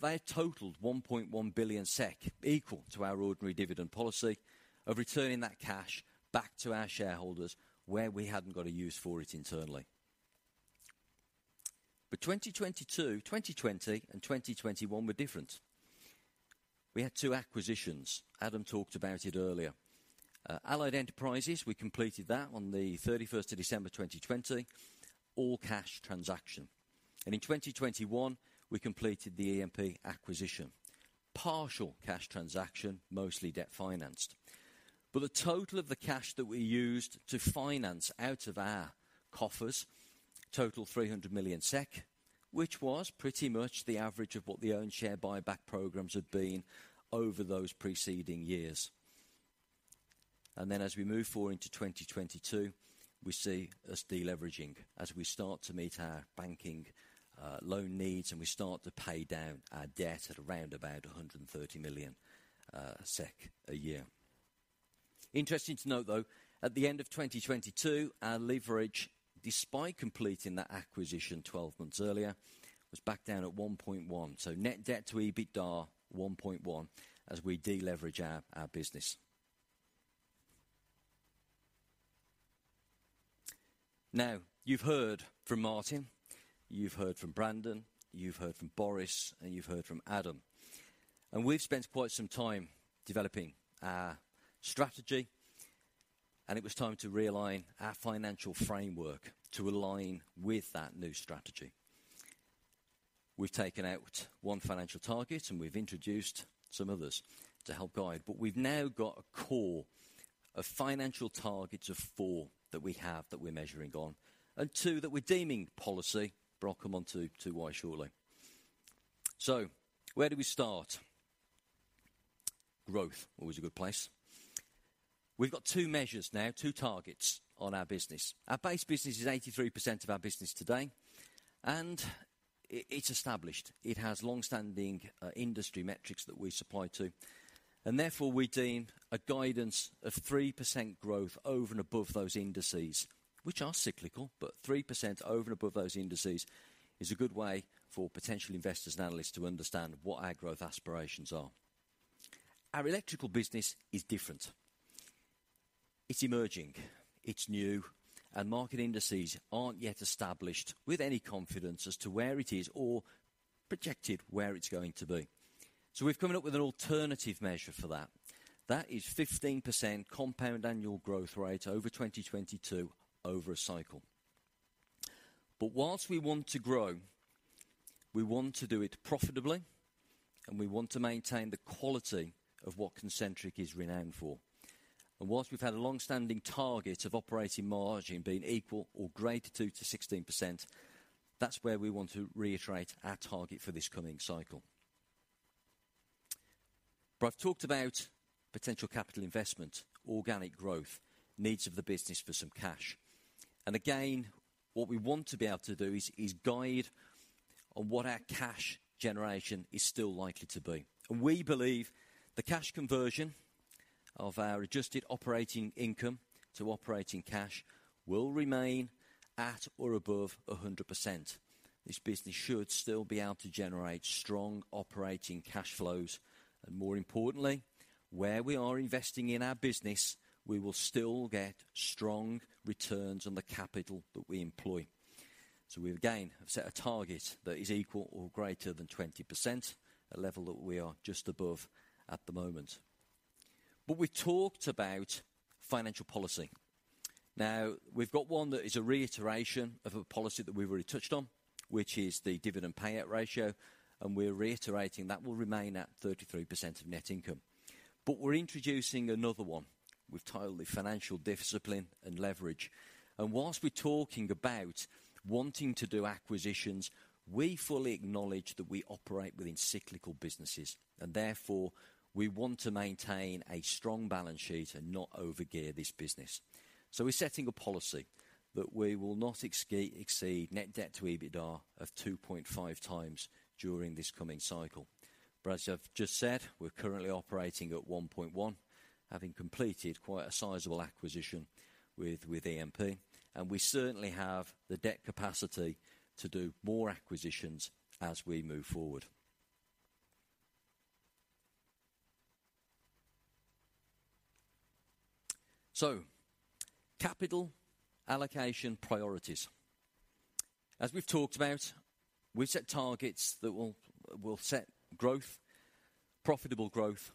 They totaled 1.1 billion SEK equal to our ordinary dividend policy of returning that cash back to our shareholders where we hadn't got a use for it internally. 2020 and 2021 were different. We had two acquisitions. Adam talked about it earlier. Allied Enterprises, we completed that on the 31st of December, 2020. All cash transaction. In 2021, we completed the EMP acquisition. Partial cash transaction, mostly debt financed. The total of the cash that we used to finance out of our coffers total 300 million SEK, which was pretty much the average of what the own share buyback programs had been over those preceding years. As we move forward into 2022, we see us deleveraging as we start to meet our banking loan needs, and we start to pay down our debt at around about 130 million SEK a year. Interesting to note, though, at the end of 2022, our leverage, despite completing that acquisition 12 months earlier, was back down at 1.1. Net debt to EBITDA, 1.1, as we deleverage our business. You've heard from Martin, you've heard from Brandon, you've heard from Boris, and you've heard from Adam. We've spent quite some time developing our strategy, and it was time to realign our financial framework to align with that new strategy. We've taken out one financial target, and we've introduced some others to help guide. We've now got a core of financial targets of four that we have that we're measuring on, and two, that we're deeming policy. I'll come onto to why shortly. Where do we start? Growth, always a good place. We've got two measures now, two targets on our business. Our base business is 83% of our business today, and it's established. It has long-standing industry metrics that we supply to, and therefore we deem a guidance of 3% growth over and above those indices, which are cyclical. 3% over and above those indices is a good way for potential investors and analysts to understand what our growth aspirations are. Our electrical business is different. It's emerging, it's new, and market indices aren't yet established with any confidence as to where it is or projected where it's going to be. We've come up with an alternative measure for that. That is 15% compound annual growth rate over 2022 over a cycle. Whilst we want to grow, we want to do it profitably, and we want to maintain the quality of what Concentric is renowned for. Whilst we've had a long-standing target of operating margin being equal or greater to 16%, that's where we want to reiterate our target for this coming cycle. I've talked about potential capital investment, organic growth, needs of the business for some cash. Again, what we want to be able to do is guide on what our cash generation is still likely to be. We believe the cash conversion of our adjusted operating income to operating cash will remain at or above 100%. This business should still be able to generate strong operating cash flows, and more importantly, where we are investing in our business, we will still get strong returns on the capital that we employ. We again have set a target that is equal or greater than 20%, a level that we are just above at the moment. We talked about financial policy. Now, we've got one that is a reiteration of a policy that we've already touched on, which is the dividend payout ratio, and we're reiterating that will remain at 33% of net income. We're introducing another one. We've titled it financial discipline and leverage. Whilst we're talking about wanting to do acquisitions, we fully acknowledge that we operate within cyclical businesses and therefore we want to maintain a strong balance sheet and not over-gear this business. We're setting a policy that we will not exceed net debt to EBITDA of 2.5x during this coming cycle. As I've just said, we're currently operating at 1.1, having completed quite a sizable acquisition with EMP. We certainly have the debt capacity to do more acquisitions as we move forward. Capital allocation priorities. As we've talked about, we set targets that will set growth, profitable growth,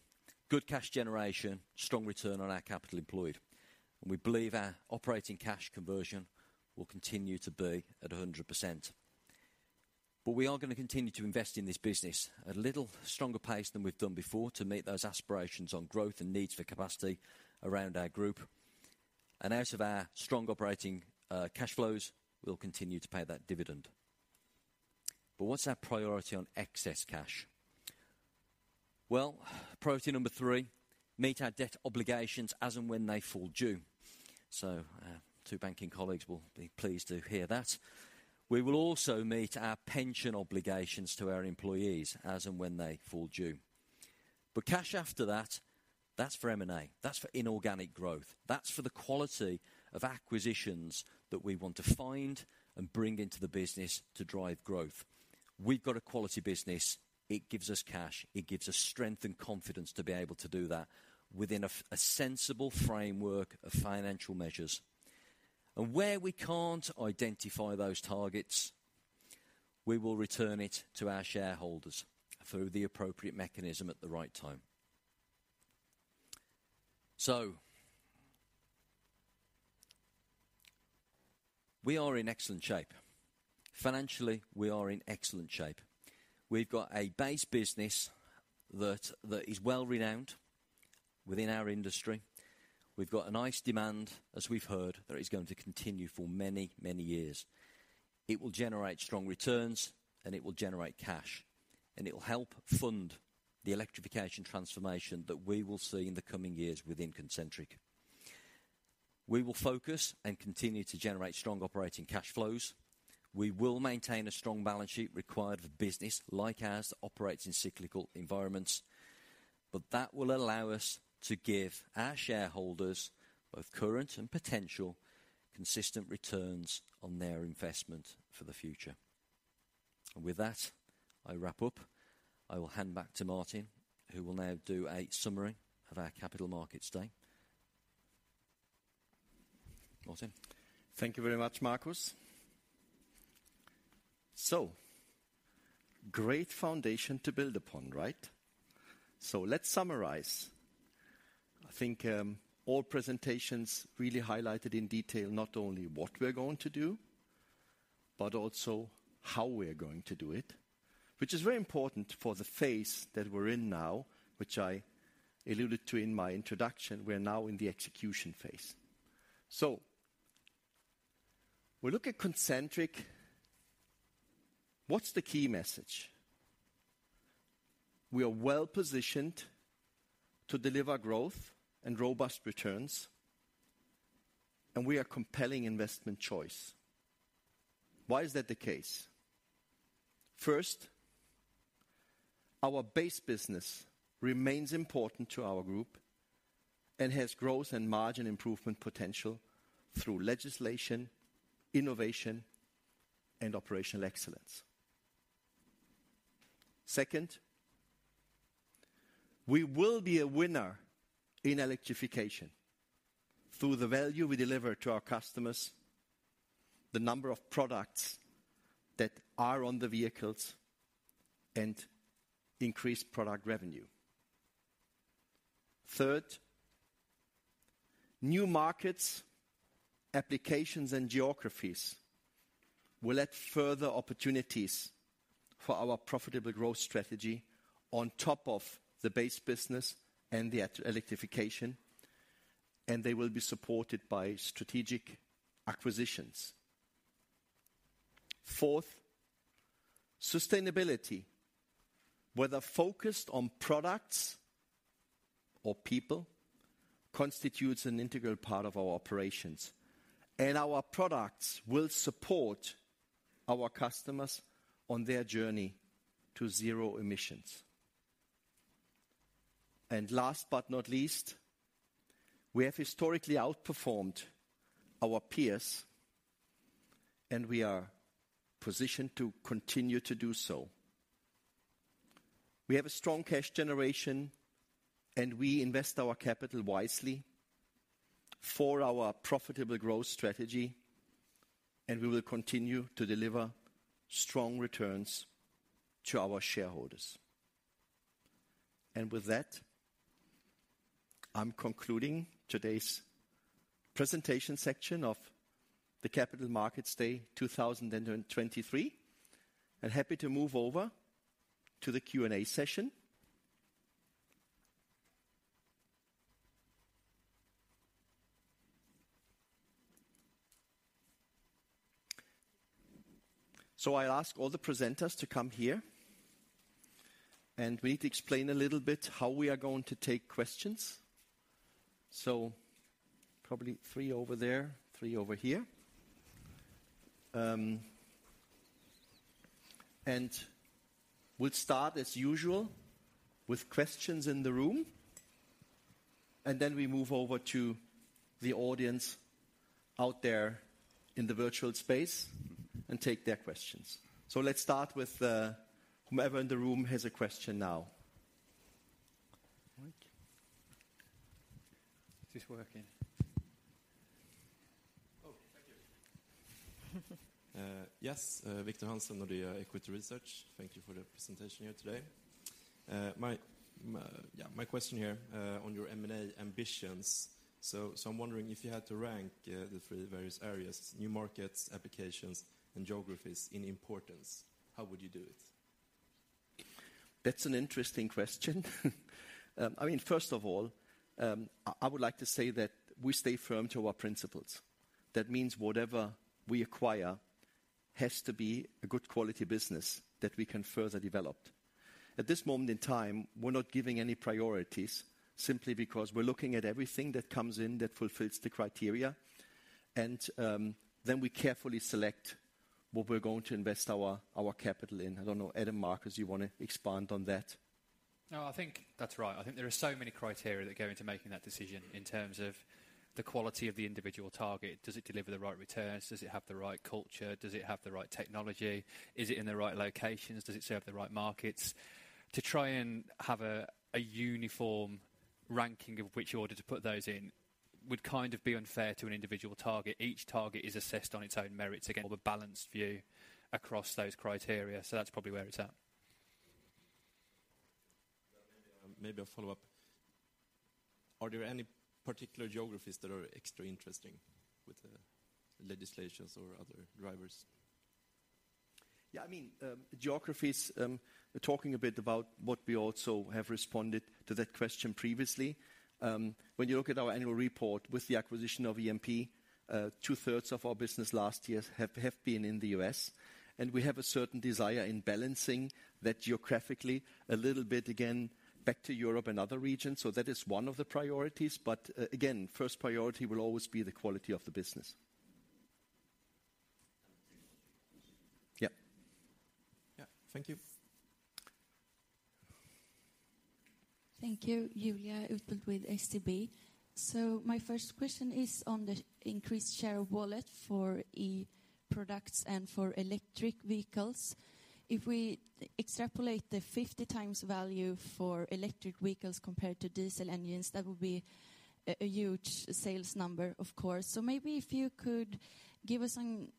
good cash generation, strong return on our capital employed. We believe our operating cash conversion will continue to be at 100%. We are gonna continue to invest in this business at a little stronger pace than we've done before to meet those aspirations on growth and needs for capacity around our group. Out of our strong operating cash flows, we'll continue to pay that dividend. What's our priority on excess cash? Well, priority number three, meet our debt obligations as and when they fall due. Two banking colleagues will be pleased to hear that. We will also meet our pension obligations to our employees as and when they fall due. Cash after that's for M&A, that's for inorganic growth. That's for the quality of acquisitions that we want to find and bring into the business to drive growth. We've got a quality business. It gives us cash. It gives us strength and confidence to be able to do that within a sensible framework of financial measures. Where we can't identify those targets, we will return it to our shareholders through the appropriate mechanism at the right time. We are in excellent shape. Financially, we are in excellent shape. We've got a base business that is well renowned within our industry. We've got a nice demand, as we've heard, that is going to continue for many, many years. It will generate strong returns, and it will generate cash. It will help fund the Electrification transformation that we will see in the coming years within Concentric. We will focus and continue to generate strong operating cash flows. We will maintain a strong balance sheet required for business like ours that operates in cyclical environments. That will allow us to give our shareholders, both current and potential, consistent returns on their investment for the future. With that, I wrap up. I will hand back to Martin, who will now do a summary of our Capital Markets Day. Martin. Thank you very much, Marcus. Great foundation to build upon, right? Let's summarize. I think, all presentations really highlighted in detail not only what we're going to do but also how we're going to do it, which is very important for the phase that we're in now, which I alluded to in my introduction. We're now in the execution phase. We look at Concentric, what's the key message? We are well-positioned to deliver growth and robust returns, and we are compelling investment choice. Why is that the case? First, our base business remains important to our group and has growth and margin improvement potential through legislation, innovation, and operational excellence. Second, we will be a winner in Electrification through the value we deliver to our customers, the number of products that are on the vehicles, and increased product revenue. Third, new markets, applications, and geographies will add further opportunities for our profitable growth strategy on top of the base business and the Electrification. They will be supported by strategic acquisitions. Fourth, sustainability, whether focused on products or people, constitutes an integral part of our operations. Our products will support our customers on their journey to zero Emissions. Last but not least, we have historically outperformed our peers. We are positioned to continue to do so. We have a strong cash generation. We invest our capital wisely for our profitable growth strategy. We will continue to deliver strong returns to our shareholders. With that, I'm concluding today's presentation section of the Capital Markets Day 2023. I'm happy to move over to the Q&A session. I'll ask all the presenters to come here. We need to explain a little bit how we are going to take questions. Probably three over there, three over here. We'll start as usual with questions in the room, and then we move over to the audience out there in the virtual space and take their questions. Let's start with whomever in the room has a question now. Mic. Is this working? Oh, thank you. Yes. Viktor Hansen of the Equity Research. Thank you for the presentation here today. Yeah, my question here, on your M&A ambitions. I'm wondering if you had to rank the three various areas, new markets, applications, and geographies in importance, how would you do it? That's an interesting question. I mean, first of all, I would like to say that we stay firm to our principles. That means whatever we acquire has to be a good quality business that we can further develop. At this moment in time, we're not giving any priorities simply because we're looking at everything that comes in that fulfills the criteria. Then we carefully select what we're going to invest our capital in. I don't know, Ed and Marcus, you wanna expand on that? No, I think that's right. I think there are so many criteria that go into making that decision in terms of the quality of the individual target. Does it deliver the right returns? Does it have the right culture? Does it have the right technology? Is it in the right locations? Does it serve the right markets? To try and have a uniform ranking of which order to put those in would kind of be unfair to an individual target. Each target is assessed on its own merits. Again, with a balanced view across those criteria, so that's probably where it's at. Maybe I'll follow up. Are there any particular geographies that are extra interesting with the legislations or other drivers? Yeah, I mean, geographies, talking a bit about what we also have responded to that question previously. When you look at our annual report with the acquisition of EMP, 2/3 of our business last year have been in the U.S., and we have a certain desire in balancing that geographically a little bit again back to Europe and other regions. That is one of the priorities, but again, first priority will always be the quality of the business. Yeah. Yeah. Thank you. Thank you. My first question is on the increased share of wallet for e-products and for electric vehicles. If we extrapolate the 50 times value for electric vehicles compared to diesel engines, that would be a huge sales number, of course. Maybe if you could give us some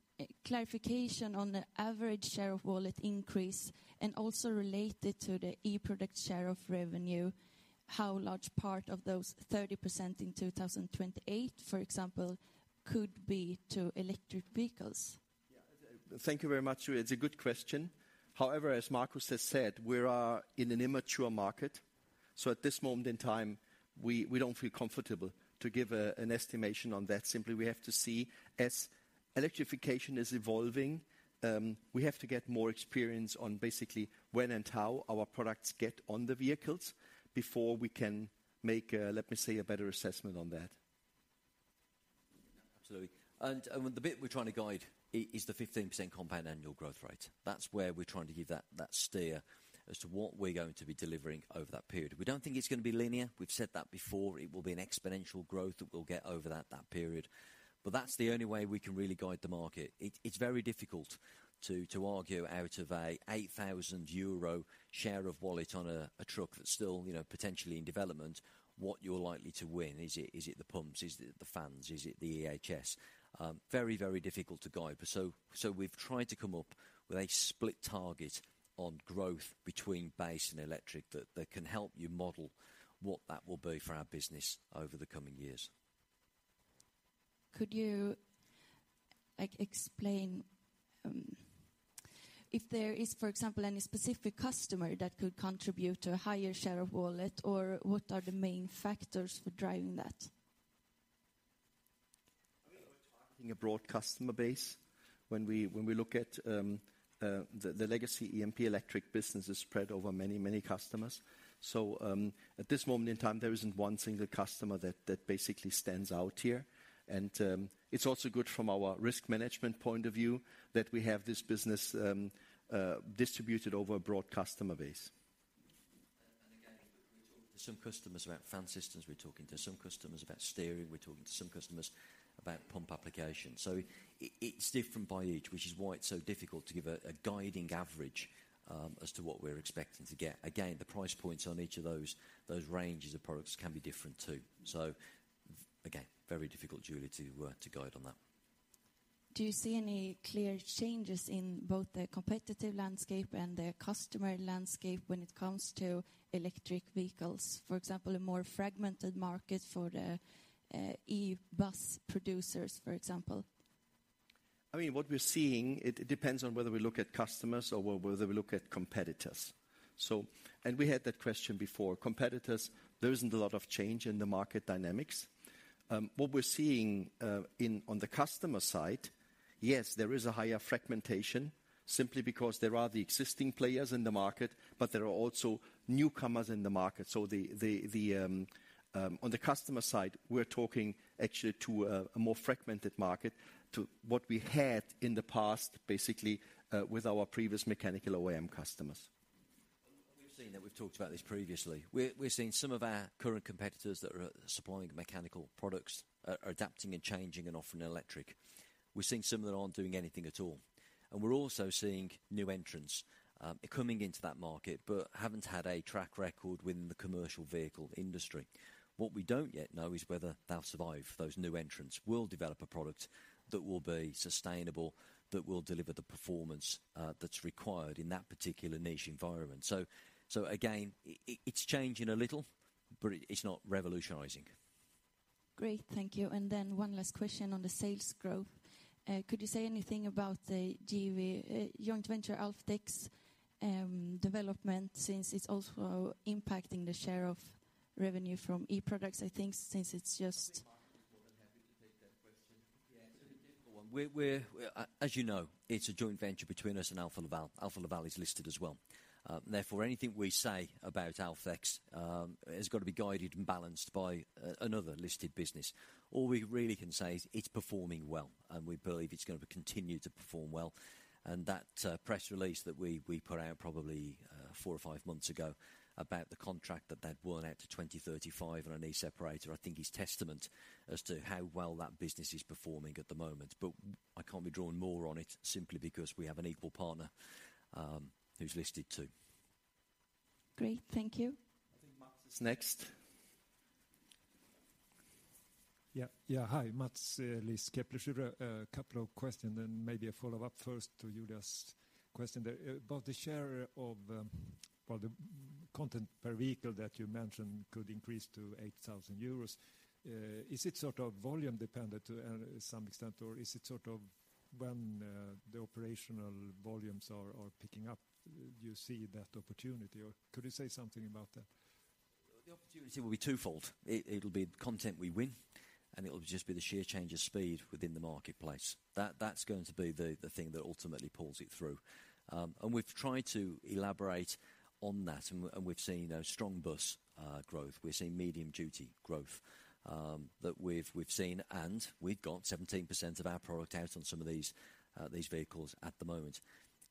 clarification on the average share of wallet increase and also relate it to the e-product share of revenue, how large part of those 30% in 2028, for example, could be to electric vehicles? Yeah. Thank you very much. It's a good question. However, as Marcus has said, we are in an immature market, so at this moment in time, we don't feel comfortable to give an estimation on that. Simply, we have to see. As Electrification is evolving, we have to get more experience on basically when and how our products get on the vehicles before we can make a better assessment on that. Absolutely. The bit we're trying to guide is the 15% CAGR. That's where we're trying to give that steer as to what we're going to be delivering over that period. We don't think it's gonna be linear. We've said that before. It will be an exponential growth that we'll get over that period. That's the only way we can really guide the market. It, it's very difficult to argue out of a 8,000 euro share of wallet on a truck that's still, you know, potentially in development, what you're likely to win. Is it the pumps? Is it the fans? Is it the EHS? Very, very difficult to guide. We've tried to come up with a split target on growth between base and electric that can help you model what that will be for our business over the coming years. Could you, like, explain, if there is, for example, any specific customer that could contribute to a higher share of wallet, or what are the main factors for driving that? I mean, we're targeting a broad customer base. When we look at the legacy EMP Electric business is spread over many customers. At this moment in time, there isn't one single customer that basically stands out here. It's also good from our risk management point of view that we have this business distributed over a broad customer base. Again, we're talking to some customers about fan systems, we're talking to some customers about steering, we're talking to some customers about pump applications. It's different by each, which is why it's so difficult to give a guiding average as to what we're expecting to get. Again, the price points on each of those ranges of products can be different too. Again, very difficult, Julia, to guide on that. Do you see any clear changes in both the competitive landscape and the customer landscape when it comes to electric vehicles? For example, a more fragmented market for the e-bus producers, for example. I mean, what we're seeing, it depends on whether we look at customers or whether we look at competitors. We had that question before. Competitors, there isn't a lot of change in the market dynamics. What we're seeing on the customer side, yes, there is a higher fragmentation simply because there are the existing players in the market, there are also newcomers in the market. On the customer side, we're talking actually to a more fragmented market to what we had in the past, basically, with our previous mechanical OEM customers. We've seen that. We've talked about this previously. We're seeing some of our current competitors that are supplying mechanical products are adapting and changing and offering electric. We're also seeing new entrants coming into that market but haven't had a track record within the commercial vehicle industry. What we don't yet know is whether they'll survive. Those new entrants will develop a product that will be sustainable, that will deliver the performance that's required in that particular niche environment. Again, it's changing a little, but it's not revolutionizing. Great. Thank you. One last question on the sales growth. Could you say anything about the JV, joint venture, Alfdex development, since it's also impacting the share of revenue from e-products, I think, since it's just. I think Mark is more than happy to take that question. Yeah. It's a difficult one. We're as you know, it's a joint venture between us and Alfa Laval. Alfa Laval is listed as well. Therefore, anything we say about Alfdex has got to be guided and balanced by another listed business. All we really can say is it's performing well, and we believe it's gonna continue to perform well. That press release that we put out probably four or five months ago about the contract that they'd won out to 2035 on an e-separator, I think is testament as to how well that business is performing at the moment. I can't be drawn more on it simply because we have an equal partner who's listed, too. Great. Thank you. I think Mats is next. Yeah. Hi. Mats Liss. A pleasure. A couple of questions and maybe a follow-up first to Julia's question there. About the share of, well, the content per vehicle that you mentioned could increase to 8,000 euros. Is it sort of volume dependent to some extent, or is it sort of when the operational volumes are picking up, you see that opportunity or could you say something about that? The opportunity will be twofold. It'll be the content we win, and it'll just be the sheer change of speed within the marketplace. That, that's going to be the thing that ultimately pulls it through. We've tried to elaborate on that, and we've seen a strong bus growth. We're seeing medium duty growth that we've seen, and we've got 17% of our product out on some of these vehicles at the moment.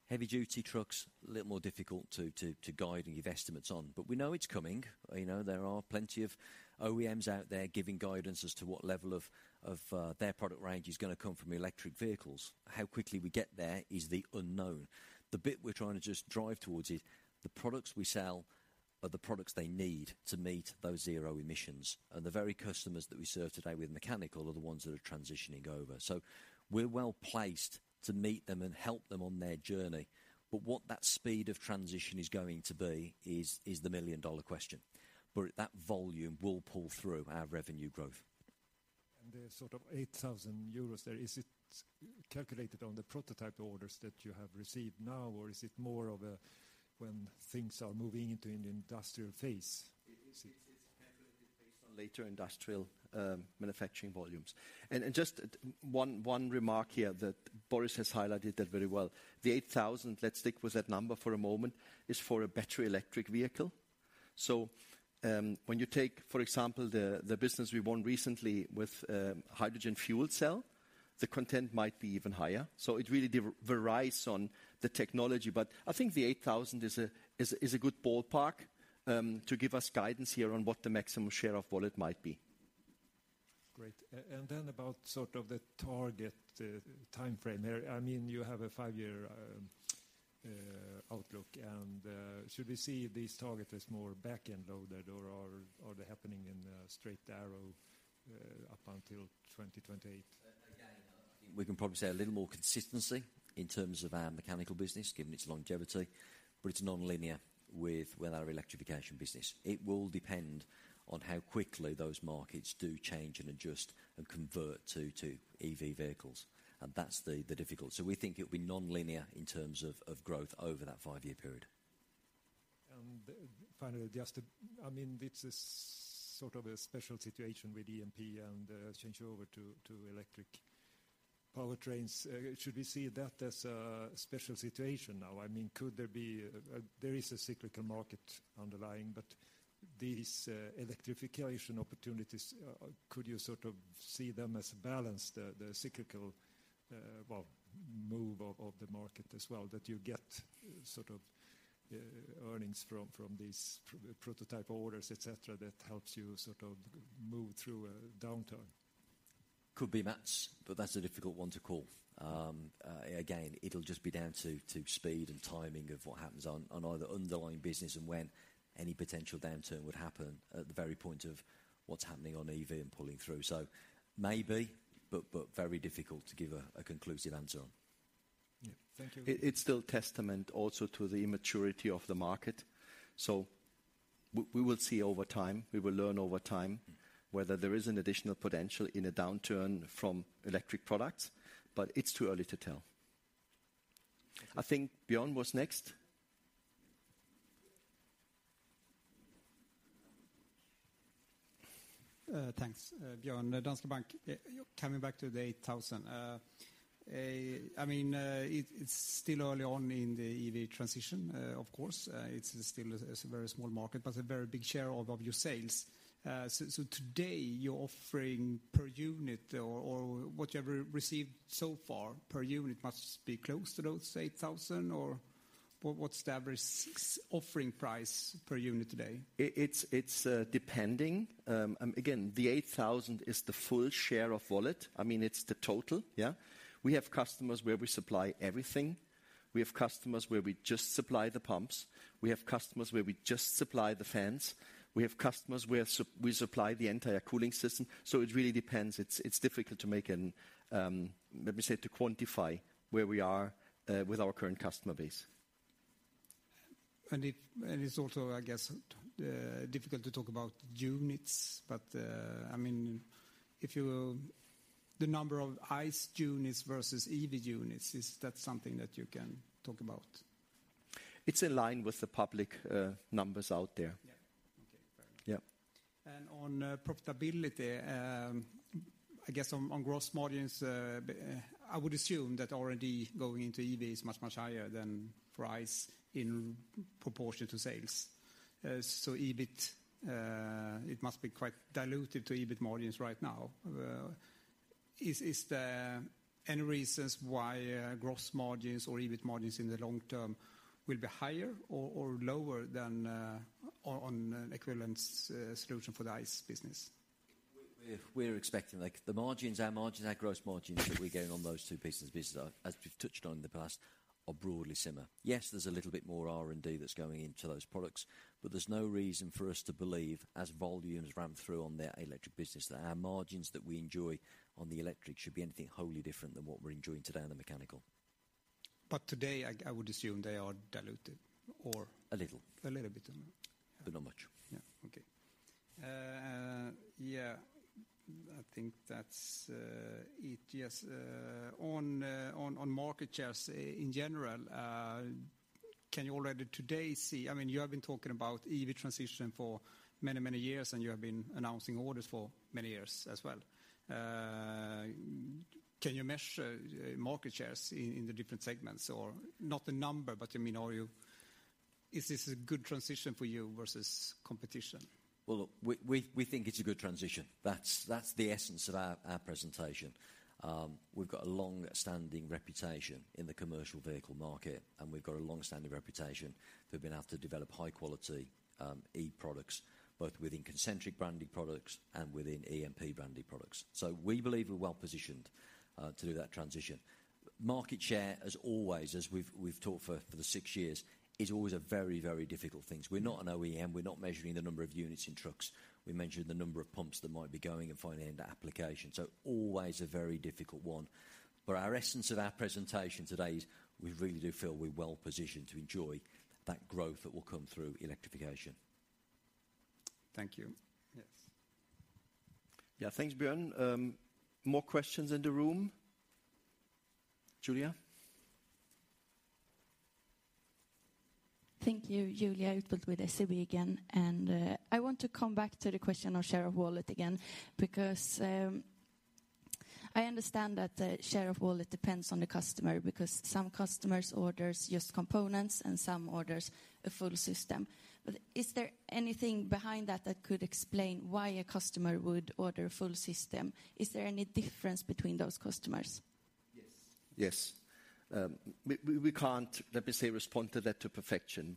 Heavy duty trucks, a little more difficult to guide and give estimates on, but we know it's coming. You know, there are plenty of OEMs out there giving guidance as to what level of their product range is gonna come from electric vehicles. How quickly we get there is the unknown. The bit we're trying to just drive towards is the products we sell are the products they need to meet those zero Emissions. The very customers that we serve today with mechanical are the ones that are transitioning over. We're well-placed to meet them and help them on their journey. What that speed of transition is going to be is the $1 million question. That volume will pull through our revenue growth. The sort of 8,000 euros there, is it calculated on the prototype orders that you have received now, or is it more of a when things are moving into an industrial phase? It's definitely based on later industrial manufacturing volumes. Just one remark here that Boris has highlighted that very well. The 8,000, let's stick with that number for a moment, is for a battery electric vehicle. When you take, for example, the business we won recently with hydrogen Fuel Cell, the content might be even higher. It really varies on the technology. I think the 8,000 is a good ballpark to give us guidance here on what the maximum share of wallet might be. Great. About sort of the target timeframe there. I mean, you have a 5-year outlook, should we see these targets as more back-end loaded or are they happening in a straight arrow up until 2028? We can probably say a little more consistency in terms of our mechanical business, given its longevity, but it's nonlinear with our Electrification business. It will depend on how quickly those markets do change and adjust and convert to EV vehicles. That's the difficulty. We think it'll be nonlinear in terms of growth over that five-year period. Finally, just to I mean, it's a sort of a special situation with EMP and the changeover to electric powertrains. Should we see that as a special situation now? I mean, There is a cyclical market underlying, but these Electrification opportunities, could you sort of see them as balance the cyclical well, move of the market as well, that you get sort of earnings from these prototype orders, et cetera, that helps you sort of move through a downturn? Could be, Mats, but that's a difficult one to call. Again, it'll just be down to speed and timing of what happens on either underlying business and when any potential downturn would happen at the very point of what's happening on EV and pulling through. Maybe, but very difficult to give a conclusive answer on. Yeah. Thank you. It's still testament also to the immaturity of the market. We will see over time, we will learn over time, whether there is an additional potential in a downturn from electric products, but it's too early to tell. I think Bjorn was next. ng price per unit today is close to 8,000 It's depending. Again, the 8,000 SEK is the full share of wallet. I mean, it's the total, yeah. We have customers where we supply everything. We have customers where we just supply the pumps. We have customers where we just supply the fans. We have customers where we supply the entire cooling system. It really depends. It's difficult to make an, let me say, to quantify where we are with our current customer base. It's also, I guess, difficult to talk about units, but, I mean, the number of ICE units versus EV units, is that something that you can talk about? It's in line with the public, numbers out there. Yeah. Okay. Yeah. On profitability, I guess on gross margins, I would assume that R&D going into EV is much, much higher than price in proportion to sales. EBIT, it must be quite diluted to EBIT margins right now. Is there any reasons why gross margins or EBIT margins in the long term will be higher or lower than on equivalence solution for the ICE business? We're expecting, like, the margins, our margins, our gross margins that we're getting on those two pieces of business, as we've touched on in the past, are broadly similar. There's a little bit more R&D that's going into those products. There's no reason for us to believe, as volumes ramp through on the electric business, that our margins that we enjoy on the electric should be anything wholly different than what we're enjoying today on the mechanical. Today, I would assume they are diluted. A little. A little bit. Not much. Yeah. Okay. Yeah, I think that's it. Yes. On market shares in general, can you already today see? I mean, you have been talking about EV transition for many, many years, and you have been announcing orders for many years as well. Can you measure market shares in the different segments? Not the number, but, I mean, is this a good transition for you versus competition? We think it's a good transition. That's the essence of our presentation. We've got a long-standing reputation in the commercial vehicle market, we've got a long-standing reputation for being able to develop high quality e-products, both within Concentric-branded products and within EMP-branded products. We believe we're well-positioned to do that transition. Market share, as always, as we've talked for the 6 years, is always a very difficult thing. We're not an OEM, we're not measuring the number of units in trucks. We're measuring the number of pumps that might be going and finding the end application. Always a very difficult one. Our essence of our presentation today is we really do feel we're well-positioned to enjoy that growth that will come through Electrification. Thank you. Yes. Yeah. Thanks, Bjorn. More questions in the room. Julia. Thank you. Julia Utbult with SEB again. I want to come back to the question of share of wallet again, because I understand that the share of wallet depends on the customer because some customers orders just components and some orders a full system. Is there anything behind that that could explain why a customer would order a full system? Is there any difference between those customers? Yes. Yes. We can't, let me say, respond to that to perfection.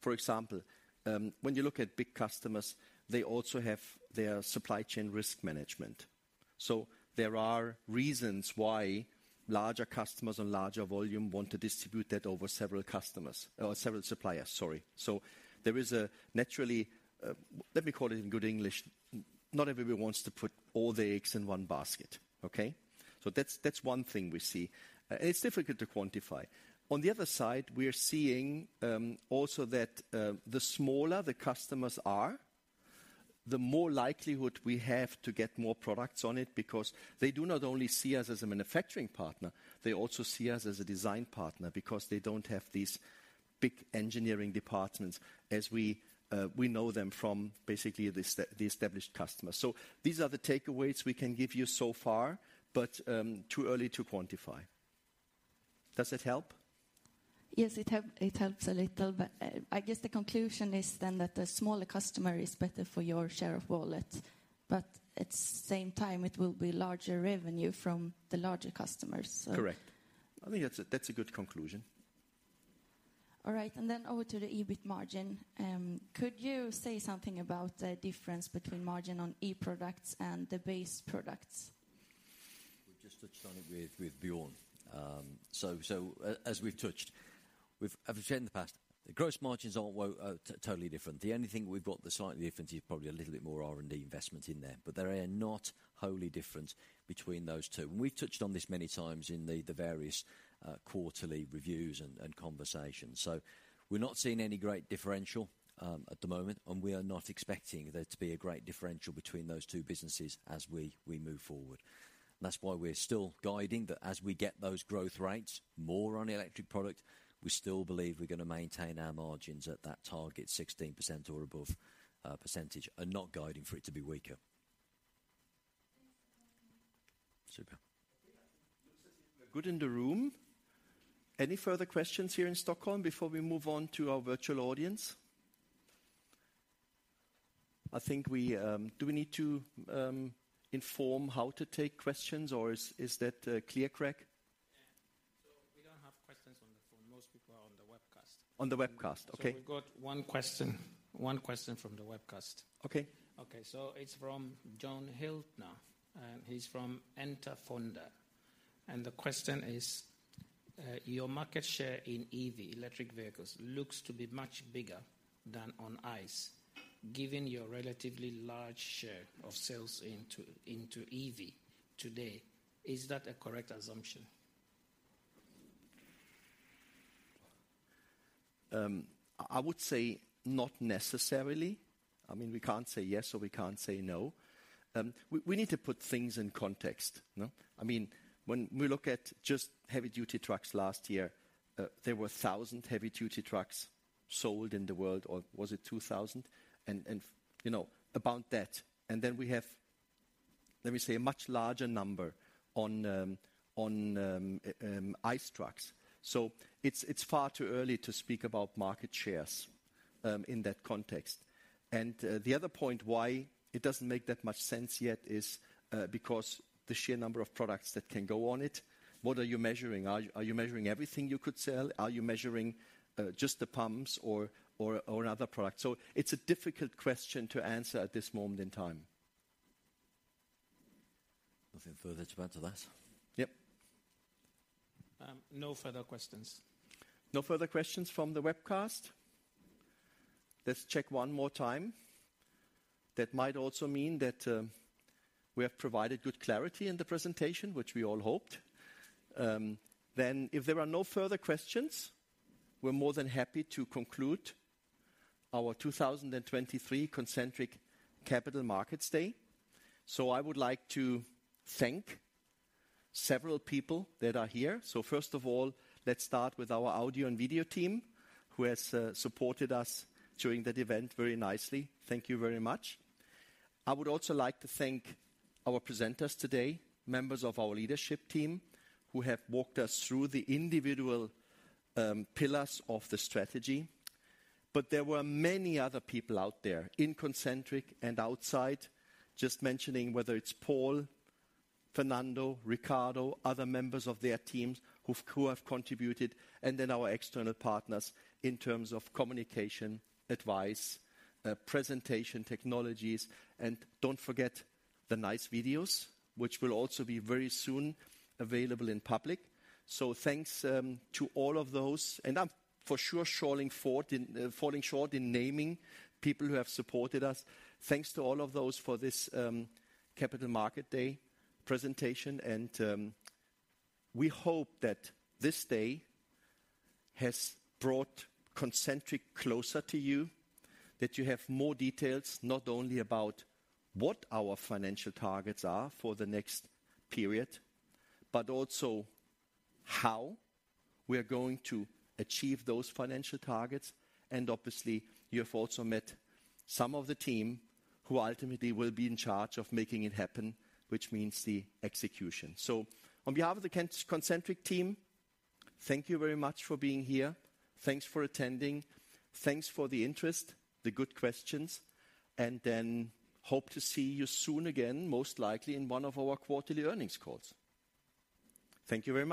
For example, when you look at big customers, they also have their supply chain risk management. There are reasons why larger customers and larger volume want to distribute that over several customers, or several suppliers, sorry. There is a naturally, let me call it in good English, not everybody wants to put all the eggs in one basket. Okay. That's one thing we see. It's difficult to quantify. On the other side, we are seeing also that the smaller the customers are, the more likelihood we have to get more products on it because they do not only see us as a manufacturing partner, they also see us as a design partner because they don't have these big engineering departments as we know them from basically the established customers. These are the takeaways we can give you so far, but too early to quantify. Does that help? Yes, it helps a little. I guess the conclusion is then that the smaller customer is better for your share of wallet, at same time it will be larger revenue from the larger customers. Correct. I think that's a good conclusion. All right. Over to the EBIT margin. Could you say something about the difference between margin on e-products and the base products? Just touched on it with Björn. As we've said in the past, the gross margins are totally different. The only thing we've got that's slightly different is probably a little bit more R&D investment in there, but they are not wholly different between those two. We've touched on this many times in the various quarterly reviews and conversations. We're not seeing any great differential at the moment, and we are not expecting there to be a great differential between those two businesses as we move forward. That's why we're still guiding that as we get those growth rates more on the electric product, we still believe we're gonna maintain our margins at that target 16% or above percentage and not guiding for it to be weaker. Super. Okay. Looks as if we're good in the room. Any further questions here in Stockholm before we move on to our virtual audience? Do we need to inform how to take questions or is that clear, Craig? Yeah. We don't have questions on the phone. Most people are on the webcast. On the webcast. Okay. we've got one question from the webcast. Okay. It's from John Hildner, and he's from Enter Fonder. The question is, your market share in EV, Eelectric Vehicles, looks to be much bigger than on ICE. Given your relatively large share of sales into EV today, is that a correct assumption? I would say not necessarily. I mean, we can't say yes, or we can't say no. We need to put things in context, no? I mean, when we look at just heavy-duty trucks last year, there were 1,000 heavy-duty trucks sold in the world, or was it 2,000? And you know, about that. Then we have, let me say, a much larger number on ICE trucks. It's far too early to speak about market shares in that context. The other point why it doesn't make that much sense yet is because the sheer number of products that can go on it, what are you measuring? Are you measuring everything you could sell? Are you measuring just the pumps or another product? It's a difficult question to answer at this moment in time. Nothing further to add to that. Yep. No further questions. No further questions from the webcast. Let's check one more time. That might also mean that, we have provided good clarity in the presentation, which we all hoped. If there are no further questions, we're more than happy to conclude our 2023 Concentric Capital Markets Day. I would like to thank several people that are here. First of all, let's start with our audio and video team who has supported us during that event very nicely. Thank you very much. I would also like to thank our presenters today, members of our leadership team, who have walked us through the individual pillars of the strategy. There were many other people out there in Concentric and outside, just mentioning whether it's Paul, Fernando, Riccardo, other members of their teams who have contributed, our external partners in terms of communication, advice, presentation technologies. Don't forget the nice videos, which will also be very soon available in public. Thanks to all of those, and I'm for sure falling short in naming people who have supported us. Thanks to all of those for this Capital Market Day presentation. We hope that this day has brought Concentric closer to you, that you have more details, not only about what our financial targets are for the next period, but also how we are going to achieve those financial targets. Obviously, you have also met some of the team who ultimately will be in charge of making it happen, which means the execution. On behalf of the Concentric team, thank you very much for being here. Thanks for attending. Thanks for the interest, the good questions, and hope to see you soon again, most likely in one of our quarterly earnings calls. Thank you very much.